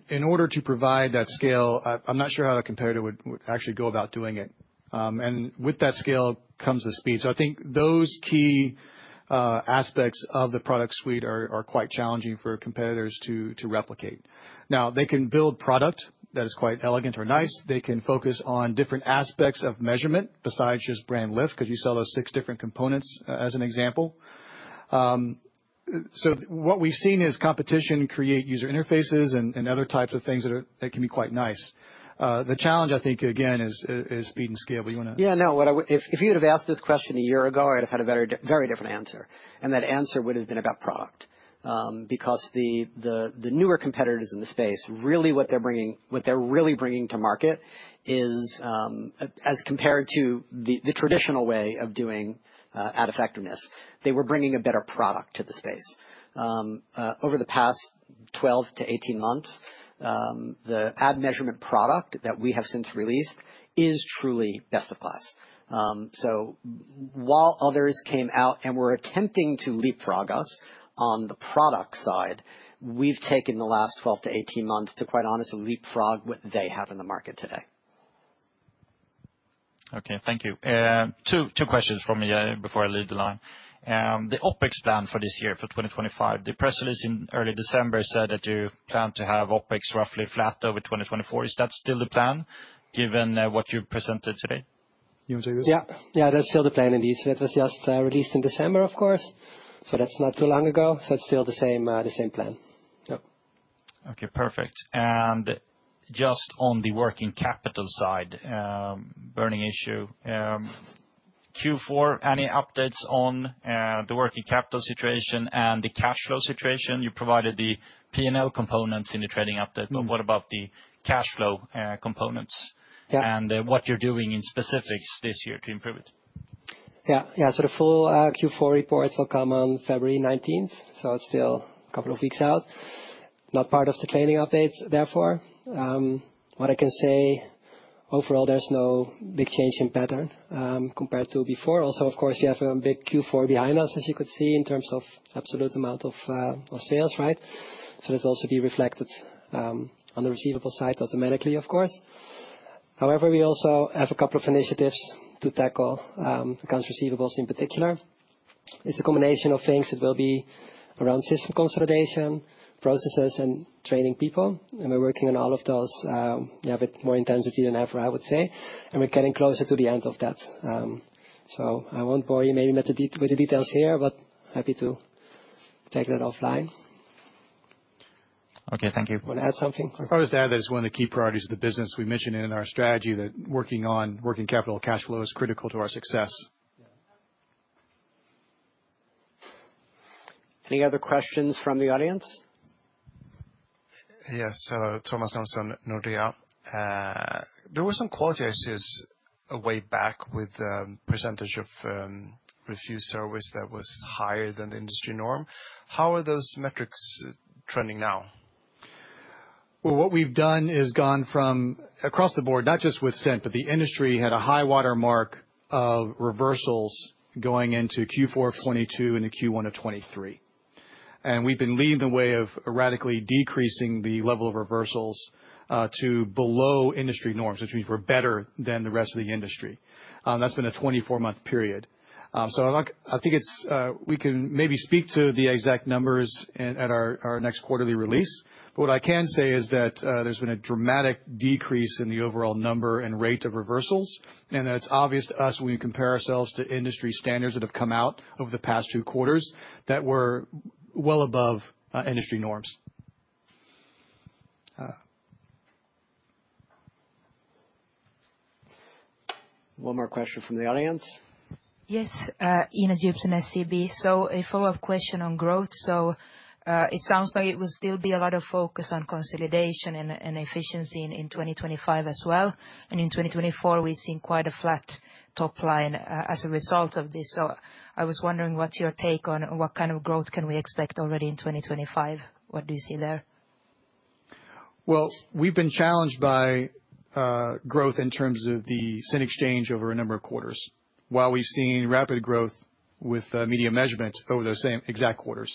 in order to provide that scale, I'm not sure how a competitor would actually go about doing it. And with that scale comes the speed. So I think those key aspects of the product suite are quite challenging for competitors to replicate. Now, they can build product that is quite elegant or nice. They can focus on different aspects of measurement besides just brand lift because you saw those six different components as an example. So what we've seen is competition create user interfaces and other types of things that can be quite nice. The challenge, I think, again, is speed and scale. But you want to. Yeah, no, if you would have asked this question a year ago, I would have had a very different answer. And that answer would have been about product because the newer competitors in the space, really what they're bringing to market is, as compared to the traditional way of doing ad effectiveness, they were bringing a better product to the space. Over the past 12 to 18 months, the ad measurement product that we have since released is truly best of class. So while others came out and were attempting to leapfrog us on the product side, we've taken the last 12 to 18 months to quite honestly leapfrog what they have in the market today. Okay. Thank you. Two questions from me before I leave the line. The OpEx plan for this year, for 2025, the press release in early December said that you plan to have OpEx roughly flat over 2024. Is that still the plan given what you presented today? You want to take this? Yeah. Yeah, that's still the plan indeed. So that was just released in December, of course. So that's not too long ago. So it's still the same plan. Yep. Okay. Perfect. And just on the working capital side, burning issue, Q4, any updates on the working capital situation and the cash flow situation? You provided the P&L components in the trading update. But what about the cash flow components and what you're doing in specifics this year to improve it? Yeah. Yeah, so the full Q4 report will come on February 19th, so it's still a couple of weeks out, not part of the trailing updates, therefore. What I can say overall, there's no big change in pattern compared to before. Also, of course, we have a big Q4 behind us, as you could see, in terms of absolute amount of sales, right, so this will also be reflected on the receivable side automatically, of course. However, we also have a couple of initiatives to tackle accounts receivable in particular. It's a combination of things that will be around system consolidation, processes, and training people. And we're working on all of those with a bit more intensity than ever, I would say, and we're getting closer to the end of that, so I won't bore you maybe with the details here, but happy to take that offline. Okay. Thank you. Want to add something? I was going to add that it's one of the key priorities of the business. We mentioned in our strategy that working on working capital cash flow is critical to our success. Yeah. Any other questions from the audience? Yes. So Thomas Nielsen and Nordea. There were some quality issues way back with the percentage of refused service that was higher than the industry norm. How are those metrics trending now? What we've done is gone from across the board, not just with Cint, but the industry had a high watermark of reversals going into Q4 of 2022 and the Q1 of 2023, and we've been leading the way of radically decreasing the level of reversals to below industry norms, which means we're better than the rest of the industry. That's been a 24-month period, so I think we can maybe speak to the exact numbers at our next quarterly release, but what I can say is that there's been a dramatic decrease in the overall number and rate of reversals, and it's obvious to us when we compare ourselves to industry standards that have come out over the past two quarters that we're well above industry norms. One more question from the audience. Yes. Ina Djupsund, SEB. So a follow-up question on growth. So it sounds like it will still be a lot of focus on consolidation and efficiency in 2025 as well. And in 2024, we've seen quite a flat top line as a result of this. So I was wondering what's your take on what kind of growth can we expect already in 2025? What do you see there? We've been challenged by growth in terms of the Cint Exchange over a number of quarters, while we've seen rapid growth with media measurement over those same exact quarters.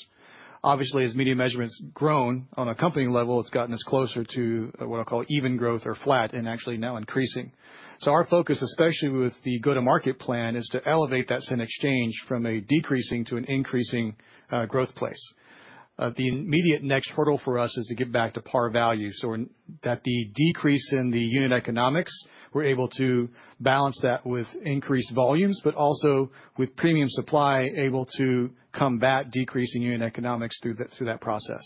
Obviously, as media measurement's grown on a company level, it's gotten us closer to what I'll call even growth or flat and actually now increasing. Our focus, especially with the go-to-market plan, is to elevate that Cint Exchange from a decreasing to an increasing growth place. The immediate next hurdle for us is to get back to par value, so that the decrease in the unit economics, we're able to balance that with increased volumes, but also with premium supply able to combat decreasing unit economics through that process.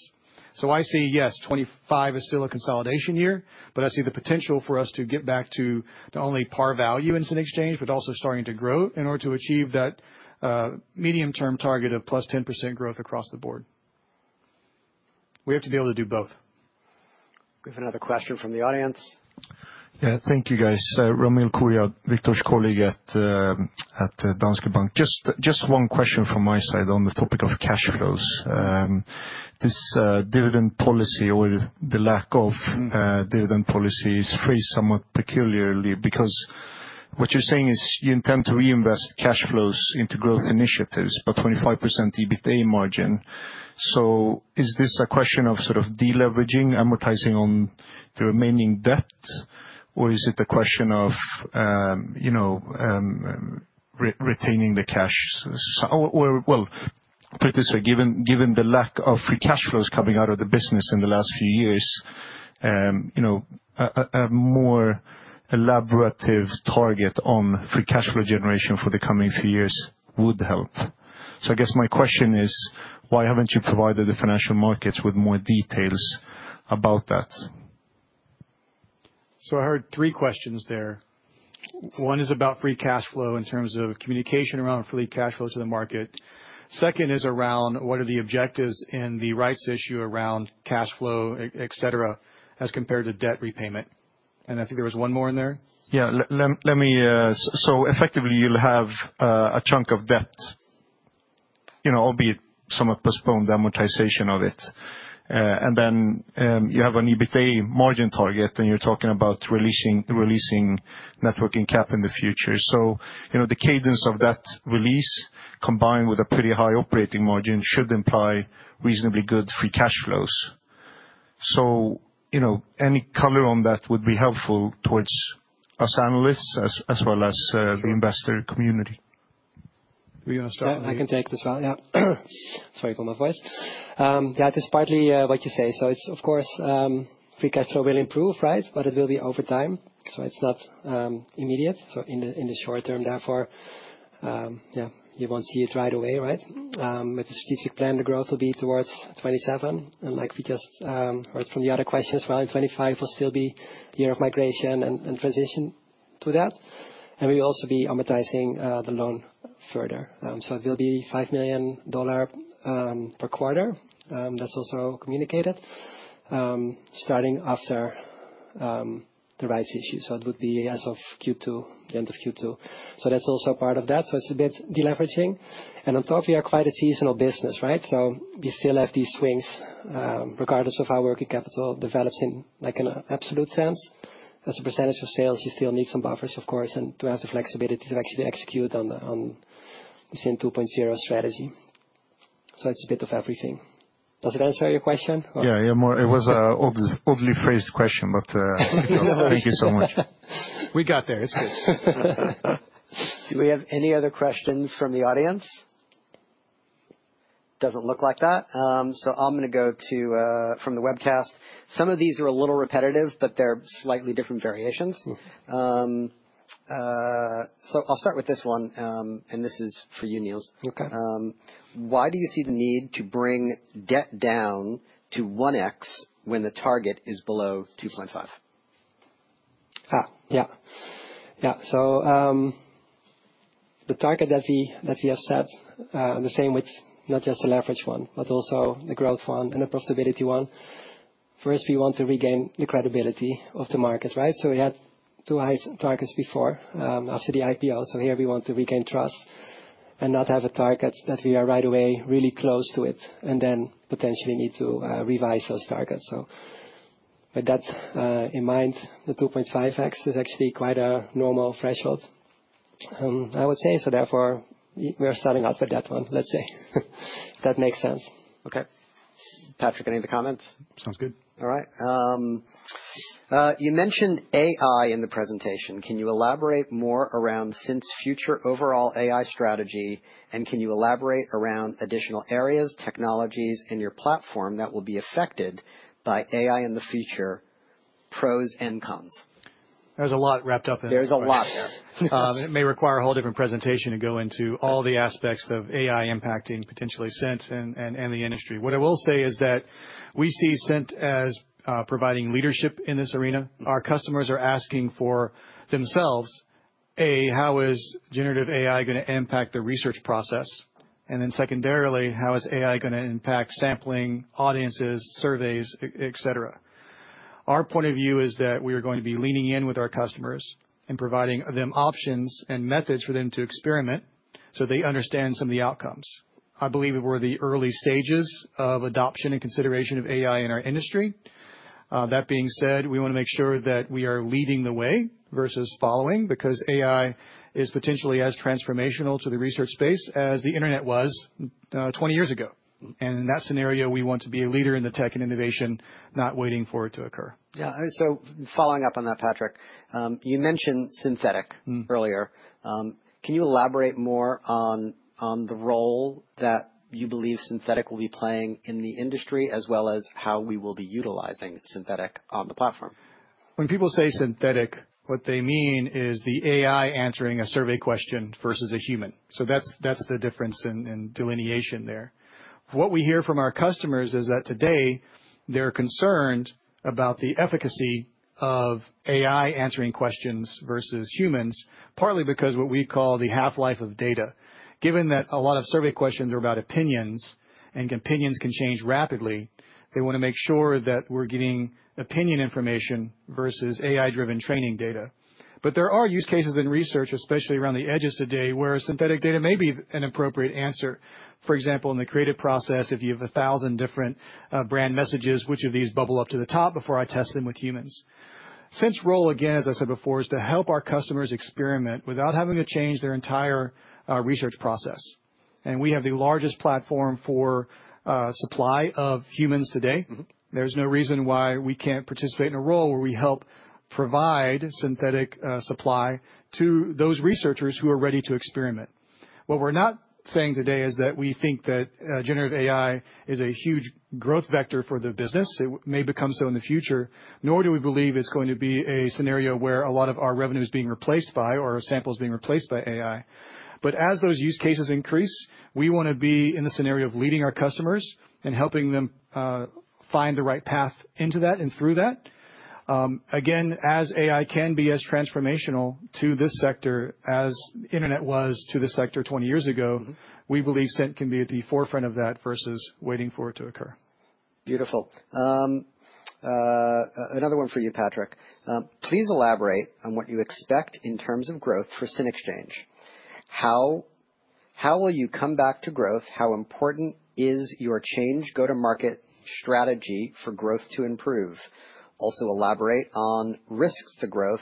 So I see, yes, 2025 is still a consolidation year, but I see the potential for us to get back to not only par value in Cint Exchange, but also starting to grow in order to achieve that medium-term target of plus 10% growth across the board. We have to be able to do both. We have another question from the audience. Yeah. Thank you, guys. Ramil Koria, Victor's colleague at Danske Bank. Just one question from my side on the topic of cash flows. This dividend policy or the lack of dividend policy is phrased somewhat peculiarly because what you're saying is you intend to reinvest cash flows into growth initiatives, but 25% EBITDA margin. So is this a question of sort of deleveraging, amortizing on the remaining debt, or is it a question of retaining the cash? Well, to put it this way, given the lack of free cash flows coming out of the business in the last few years, a more elaborative target on free cash flow generation for the coming few years would help. So I guess my question is, why haven't you provided the financial markets with more details about that? So I heard three questions there. One is about free cash flow in terms of communication around free cash flow to the market. Second is around what are the objectives in the rights issue around cash flow, etc., as compared to debt repayment. And I think there was one more in there. Yeah. So effectively, you'll have a chunk of debt, albeit somewhat postponed amortization of it. And then you have an EBITDA margin target, and you're talking about releasing net working capital in the future. So the cadence of that release, combined with a pretty high operating margin, should imply reasonably good free cash flows. So any color on that would be helpful towards us analysts as well as the investor community. Are we going to start? I can take this one. Yeah. Sorry for my voice. Yeah, despite what you say, so it's, of course, free cash flow will improve, right? But it will be over time. So it's not immediate. So in the short term, therefore, yeah, you won't see it right away, right? With the strategic plan, the growth will be towards 2027. And like we just heard from the other question as well, in 2025 will still be a year of migration and transition to that. And we will also be amortizing the loan further. So it will be $5 million per quarter. That's also communicated starting after the rights issue. So it would be as of Q2, the end of Q2. So that's also part of that. So it's a bit deleveraging. And on top, we are quite a seasonal business, right? So we still have these swings regardless of how working capital develops in an absolute sense. As a percentage of sales, you still need some buffers, of course, and to have the flexibility to actually execute on the Cint 2.0 strategy. So it's a bit of everything. Does it answer your question? Yeah. It was an oddly phrased question, but thank you so much. We got there. It's good. Do we have any other questions from the audience? Doesn't look like that. So I'm going to go to from the webcast. Some of these are a little repetitive, but they're slightly different variations. So I'll start with this one, and this is for you, Niels. Okay. Why do you see the need to bring debt down to 1x when the target is below 2.5x? So the target that we have set, the same with not just the leverage one, but also the growth one and the profitability one. First, we want to regain the credibility of the market, right? So we had two high targets before, after the IPO. So here, we want to regain trust and not have a target that we are right away really close to it and then potentially need to revise those targets. So with that in mind, the 2.5x is actually quite a normal threshold, I would say. So therefore, we are starting out with that one, let's say, if that makes sense. Okay. Patrick, any other comments? Sounds good. All right. You mentioned AI in the presentation. Can you elaborate more around Cint's future overall AI strategy? And can you elaborate around additional areas, technologies, and your platform that will be affected by AI in the future, pros and cons? There's a lot wrapped up in. There's a lot there. It may require a whole different presentation to go into all the aspects of AI impacting potentially Cint and the industry. What I will say is that we see Cint as providing leadership in this arena. Our customers are asking for themselves, A, how is generative AI going to impact the research process? And then secondarily, how is AI going to impact sampling, audiences, surveys, etc.? Our point of view is that we are going to be leaning in with our customers and providing them options and methods for them to experiment so they understand some of the outcomes. I believe we're in the early stages of adoption and consideration of AI in our industry. That being said, we want to make sure that we are leading the way versus following because AI is potentially as transformational to the research space as the internet was 20 years ago. In that scenario, we want to be a leader in the tech and innovation, not waiting for it to occur. Yeah. So following up on that, Patrick, you mentioned synthetic earlier. Can you elaborate more on the role that you believe synthetic will be playing in the industry as well as how we will be utilizing synthetic on the platform? When people say synthetic, what they mean is the AI answering a survey question versus a human. So that's the difference in delineation there. What we hear from our customers is that today, they're concerned about the efficacy of AI answering questions versus humans, partly because what we call the half-life of data. Given that a lot of survey questions are about opinions and opinions can change rapidly, they want to make sure that we're getting opinion information versus AI-driven training data. But there are use cases in research, especially around the edges today, where synthetic data may be an appropriate answer. For example, in the creative process, if you have 1,000 different brand messages, which of these bubble up to the top before I test them with humans? Cint's role, again, as I said before, is to help our customers experiment without having to change their entire research process. We have the largest platform for supply of humans today. There's no reason why we can't participate in a role where we help provide synthetic supply to those researchers who are ready to experiment. What we're not saying today is that we think that generative AI is a huge growth vector for the business. It may become so in the future, nor do we believe it's going to be a scenario where a lot of our revenue is being replaced by or our sample is being replaced by AI. But as those use cases increase, we want to be in the scenario of leading our customers and helping them find the right path into that and through that. Again, as AI can be as transformational to this sector as the internet was to the sector 20 years ago, we believe CINT can be at the forefront of that versus waiting for it to occur. Beautiful. Another one for you, Patrick. Please elaborate on what you expect in terms of growth for Cint Exchange. How will you come back to growth? How important is your changed go-to-market strategy for growth to improve? Also elaborate on risks to growth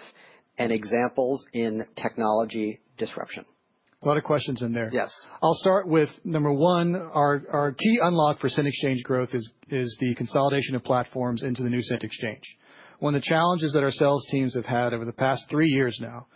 and examples in technology disruption. A lot of questions in there. Yes. I'll start with number one. Our key unlock for Cint Exchange growth is the consolidation of platforms into the new Cint Exchange. One of the challenges that our sales teams have had over the past three years now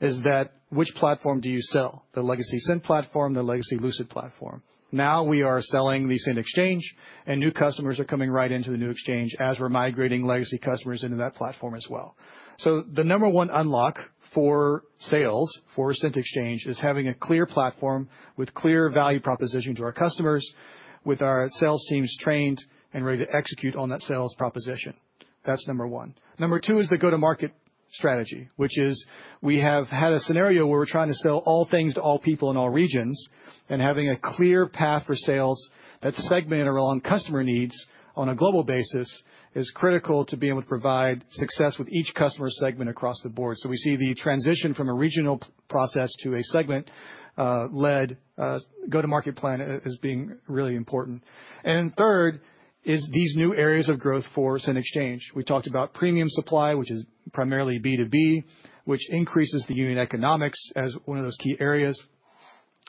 is that which platform do you sell? The legacy Cint platform, the legacy Lucid platform? Now we are selling the Cint Exchange, and new customers are coming right into the new exchange as we're migrating legacy customers into that platform as well. So the number one unlock for sales for Cint Exchange is having a clear platform with clear value proposition to our customers, with our sales teams trained and ready to execute on that sales proposition. That's number one. Number two is the go-to-market strategy, which is we have had a scenario where we're trying to sell all things to all people in all regions, and having a clear path for sales that's segmented around customer needs on a global basis is critical to being able to provide success with each customer segment across the board. So we see the transition from a regional process to a segment-led go-to-market plan as being really important. And third is these new areas of growth for Cint Exchange. We talked about premium supply, which is primarily B2B, which increases the unit economics as one of those key areas,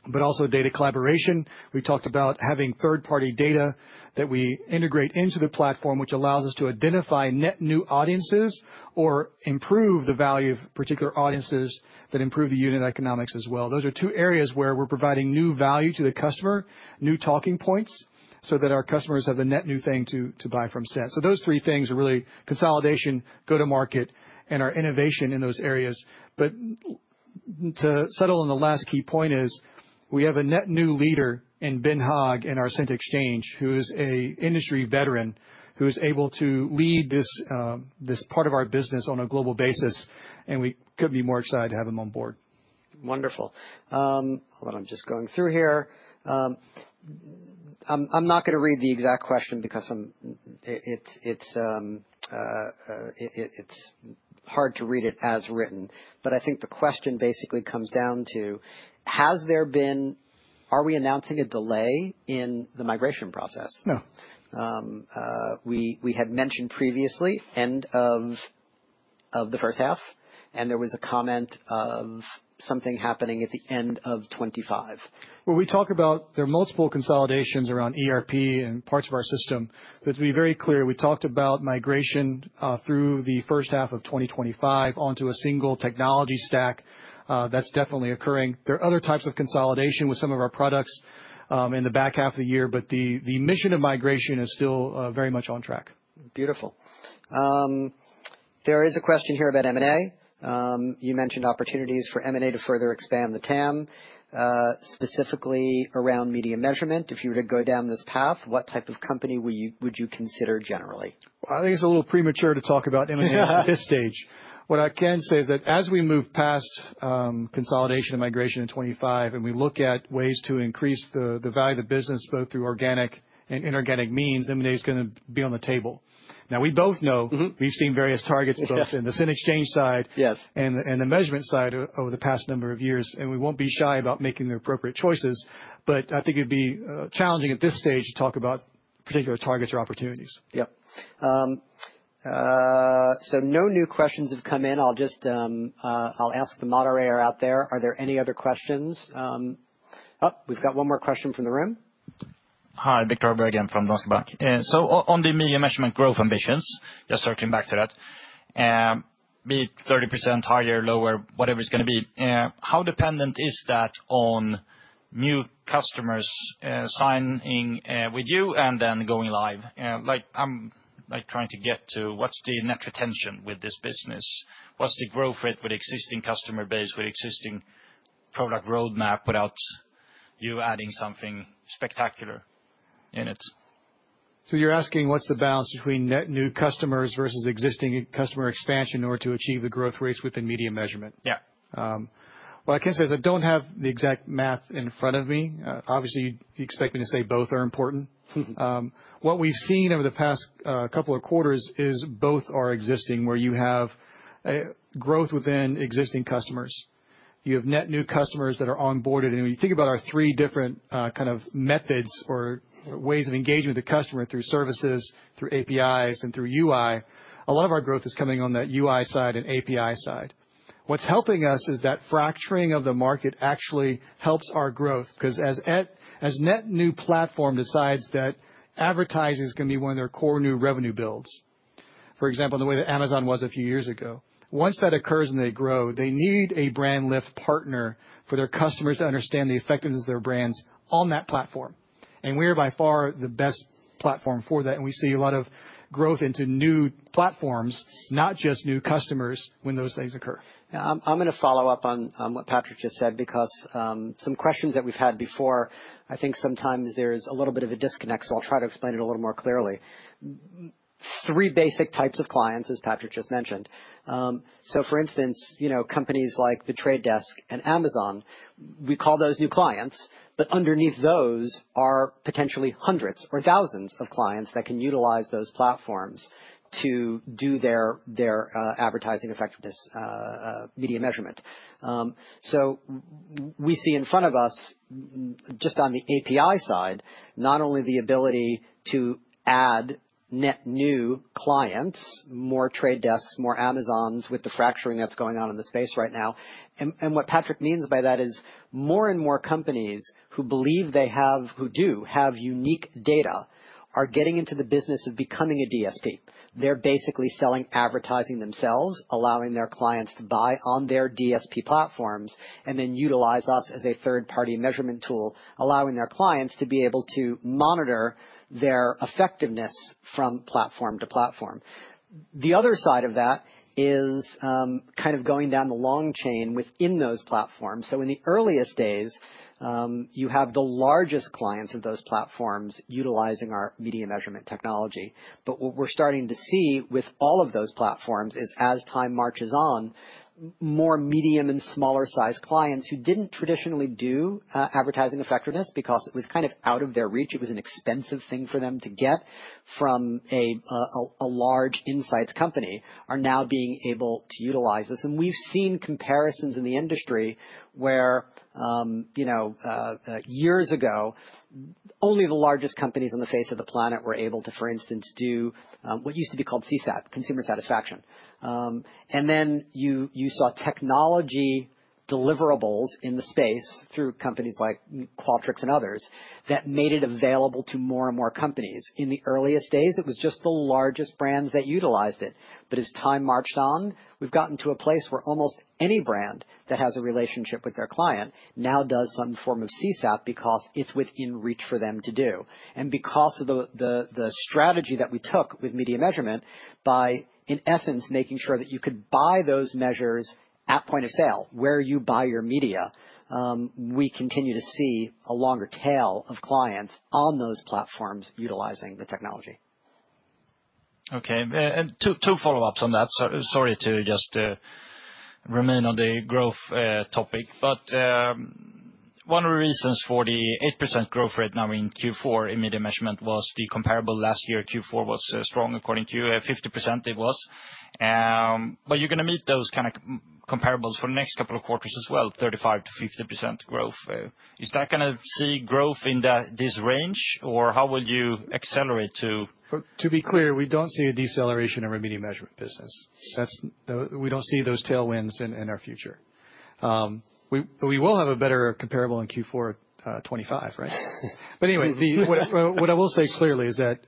but also data collaboration. We talked about having third-party data that we integrate into the platform, which allows us to identify net new audiences or improve the value of particular audiences that improve the unit economics as well. Those are two areas where we're providing new value to the customer, new talking points so that our customers have the net new thing to buy from Cint, so those three things are really consolidation, go-to-market, and our innovation in those areas, but to settle on the last key point, we have a net new leader, Ben Hogg, in our Cint Exchange who is an industry veteran who is able to lead this part of our business on a global basis, and we couldn't be more excited to have him on board. Wonderful. Hold on. I'm just going through here. I'm not going to read the exact question because it's hard to read it as written. But I think the question basically comes down to, are we announcing a delay in the migration process? No. We had mentioned previously end of the first half, and there was a comment of something happening at the end of 2025. We talk about there are multiple consolidations around ERP and parts of our system. But to be very clear, we talked about migration through the first half of 2025 onto a single technology stack. That's definitely occurring. There are other types of consolidation with some of our products in the back half of the year, but the mission of migration is still very much on track. Beautiful. There is a question here about M&A. You mentioned opportunities for M&A to further expand the TAM, specifically around media measurement. If you were to go down this path, what type of company would you consider generally? I think it's a little premature to talk about M&A at this stage. What I can say is that as we move past consolidation and migration in 2025 and we look at ways to increase the value of the business both through organic and inorganic means, M&A is going to be on the table. Now, we both know we've seen various targets both in the Cint Exchange side and the measurement side over the past number of years. We won't be shy about making the appropriate choices. I think it'd be challenging at this stage to talk about particular targets or opportunities. Yep. So no new questions have come in. I'll ask the moderator out there. Are there any other questions? Oh, we've got one more question from the room. Hi, Victor Högberg from Danske Bank. On the media measurement growth ambitions, just circling back to that, be it 30% higher, lower, whatever it's going to be, how dependent is that on new customers signing with you and then going live? I'm trying to get to what's the net retention with this business? What's the growth rate with existing customer base, with existing product roadmap without you adding something spectacular in it? So you're asking what's the balance between net new customers versus existing customer expansion in order to achieve the growth rates within media measurement? Yeah. What I can say is I don't have the exact math in front of me. Obviously, you expect me to say both are important. What we've seen over the past couple of quarters is both are existing where you have growth within existing customers. You have net new customers that are onboarded, and when you think about our three different kind of methods or ways of engaging with the customer through services, through APIs, and through UI, a lot of our growth is coming on that UI side and API side. What's helping us is that fracturing of the market actually helps our growth because as net new platform decides that advertising is going to be one of their core new revenue builds, for example, in the way that Amazon was a few years ago. Once that occurs and they grow, they need a brand lift partner for their customers to understand the effectiveness of their brands on that platform. And we are by far the best platform for that. And we see a lot of growth into new platforms, not just new customers when those things occur. Yeah. I'm going to follow up on what Patrick just said because some questions that we've had before, I think sometimes there's a little bit of a disconnect. So I'll try to explain it a little more clearly. Three basic types of clients, as Patrick just mentioned. So for instance, companies like The Trade Desk and Amazon, we call those new clients. But underneath those are potentially hundreds or thousands of clients that can utilize those platforms to do their advertising effectiveness media measurement. So we see in front of us, just on the API side, not only the ability to add net new clients, more Trade Desks, more Amazons with the fracturing that's going on in the space right now. And what Patrick means by that is more and more companies who believe they do have unique data are getting into the business of becoming a DSP. They're basically selling advertising themselves, allowing their clients to buy on their DSP platforms and then utilize us as a third-party measurement tool, allowing their clients to be able to monitor their effectiveness from platform to platform. The other side of that is kind of going down the long chain within those platforms. So in the earliest days, you have the largest clients of those platforms utilizing our media measurement technology. But what we're starting to see with all of those platforms is, as time marches on, more medium and smaller-sized clients who didn't traditionally do advertising effectiveness because it was kind of out of their reach. It was an expensive thing for them to get from a large insights company are now being able to utilize this. We've seen comparisons in the industry where, years ago, only the largest companies on the face of the planet were able to, for instance, do what used to be called CSAT, consumer satisfaction. Then you saw technology deliverables in the space through companies like Qualtrics and others that made it available to more and more companies. In the earliest days, it was just the largest brands that utilized it. As time marched on, we've gotten to a place where almost any brand that has a relationship with their client now does some form of CSAT because it's within reach for them to do. Because of the strategy that we took with media measurement by, in essence, making sure that you could buy those measures at point of sale where you buy your media, we continue to see a longer tail of clients on those platforms utilizing the technology. Okay. And two follow-ups on that. Sorry to just remain on the growth topic. But one of the reasons for the 8% growth rate now in Q4 in media measurement was the comparable last year. Q4 was strong, according to you, 50% it was. But you're going to meet those kind of comparables for the next couple of quarters as well, 35%-50% growth. Is that going to see growth in this range, or how will you accelerate to? To be clear, we don't see a deceleration of our media measurement business. We don't see those tailwinds in our future. But we will have a better comparable in Q4 2025, right? But anyway, what I will say clearly is that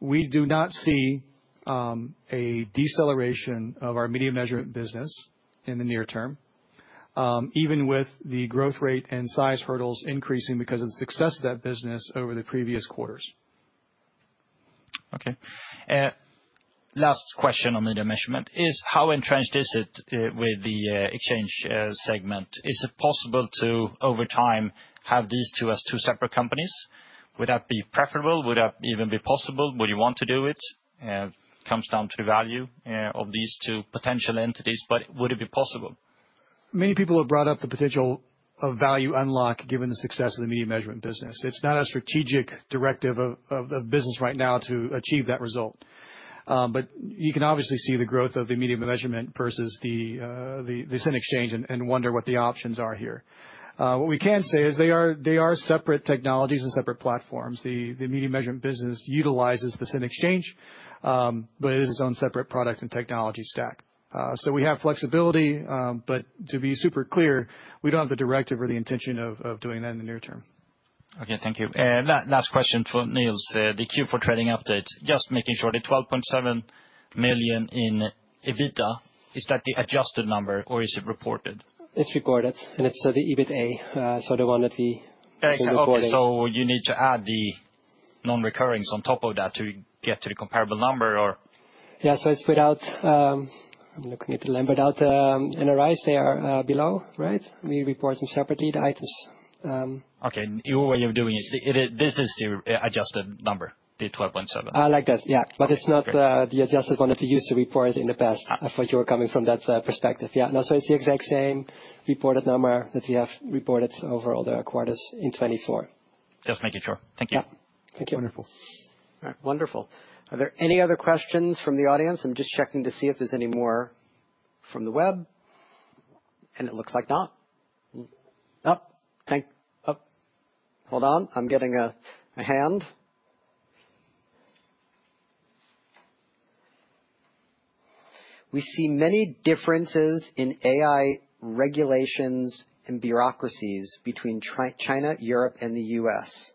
we do not see a deceleration of our media measurement business in the near term, even with the growth rate and size hurdles increasing because of the success of that business over the previous quarters. Okay. Last question on media measurement is, how entrenched is it with the exchange segment? Is it possible to, over time, have these two as two separate companies? Would that be preferable? Would that even be possible? Would you want to do it? It comes down to value of these two potential entities, but would it be possible? Many people have brought up the potential of value unlock given the success of the media measurement business. It's not a strategic directive of business right now to achieve that result, but you can obviously see the growth of the media measurement versus the Cint Exchange and wonder what the options are here. What we can say is they are separate technologies and separate platforms. The media measurement business utilizes the Cint Exchange, but it is its own separate product and technology stack, so we have flexibility, but to be super clear, we don't have the directive or the intention of doing that in the near term. Okay. Thank you. Last question for Niels, the Q4 trading update. Just making sure, the 12.7 million in EBITDA, is that the adjusted number or is it reported? It's reported and it's the EBITDA, so the one that we. Okay. So you need to add the non-recurrings on top of that to get to the comparable number, or? Yeah. So it's without NRIs. I'm looking at the number without NRIs. They are below, right? We report them separately, the items. Okay. Your way of doing it, this is the adjusted number, the 12.7? I like that. Yeah. But it's not the adjusted one that we used to report in the past. I thought you were coming from that perspective. Yeah. No, so it's the exact same reported number that we have reported over all the quarters in 2024. Just making sure. Thank you. Yeah. Thank you. Wonderful. All right. Wonderful. Are there any other questions from the audience? I'm just checking to see if there's any more from the web. And it looks like not. Oh. Hold on. I'm getting a hand. We see many differences in AI regulations and bureaucracies between China, Europe, and the U.S.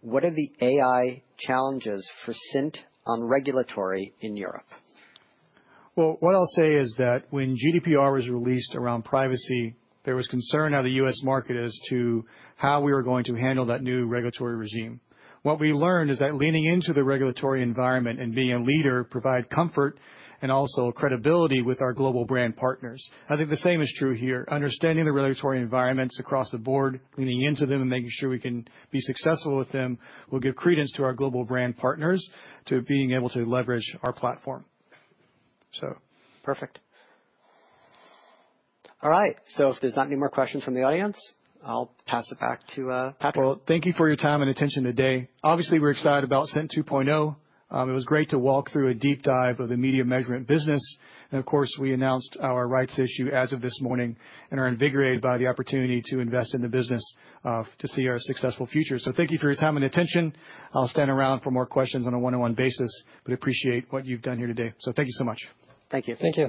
What are the AI challenges for Cint on regulatory in Europe? What I'll say is that when GDPR was released around privacy, there was concern how the U.S. market is to how we were going to handle that new regulatory regime. What we learned is that leaning into the regulatory environment and being a leader provides comfort and also credibility with our global brand partners. I think the same is true here. Understanding the regulatory environments across the board, leaning into them and making sure we can be successful with them will give credence to our global brand partners to being able to leverage our platform. Perfect. All right. So if there's not any more questions from the audience, I'll pass it back to Patrick. Thank you for your time and attention today. Obviously, we're excited about Cint 2.0. It was great to walk through a deep dive of the media measurement business. Of course, we announced our rights issue as of this morning and are invigorated by the opportunity to invest in the business to see our successful future. Thank you for your time and attention. I'll stand around for more questions on a one-on-one basis, but appreciate what you've done here today. Thank you so much. Thank you. Thank you.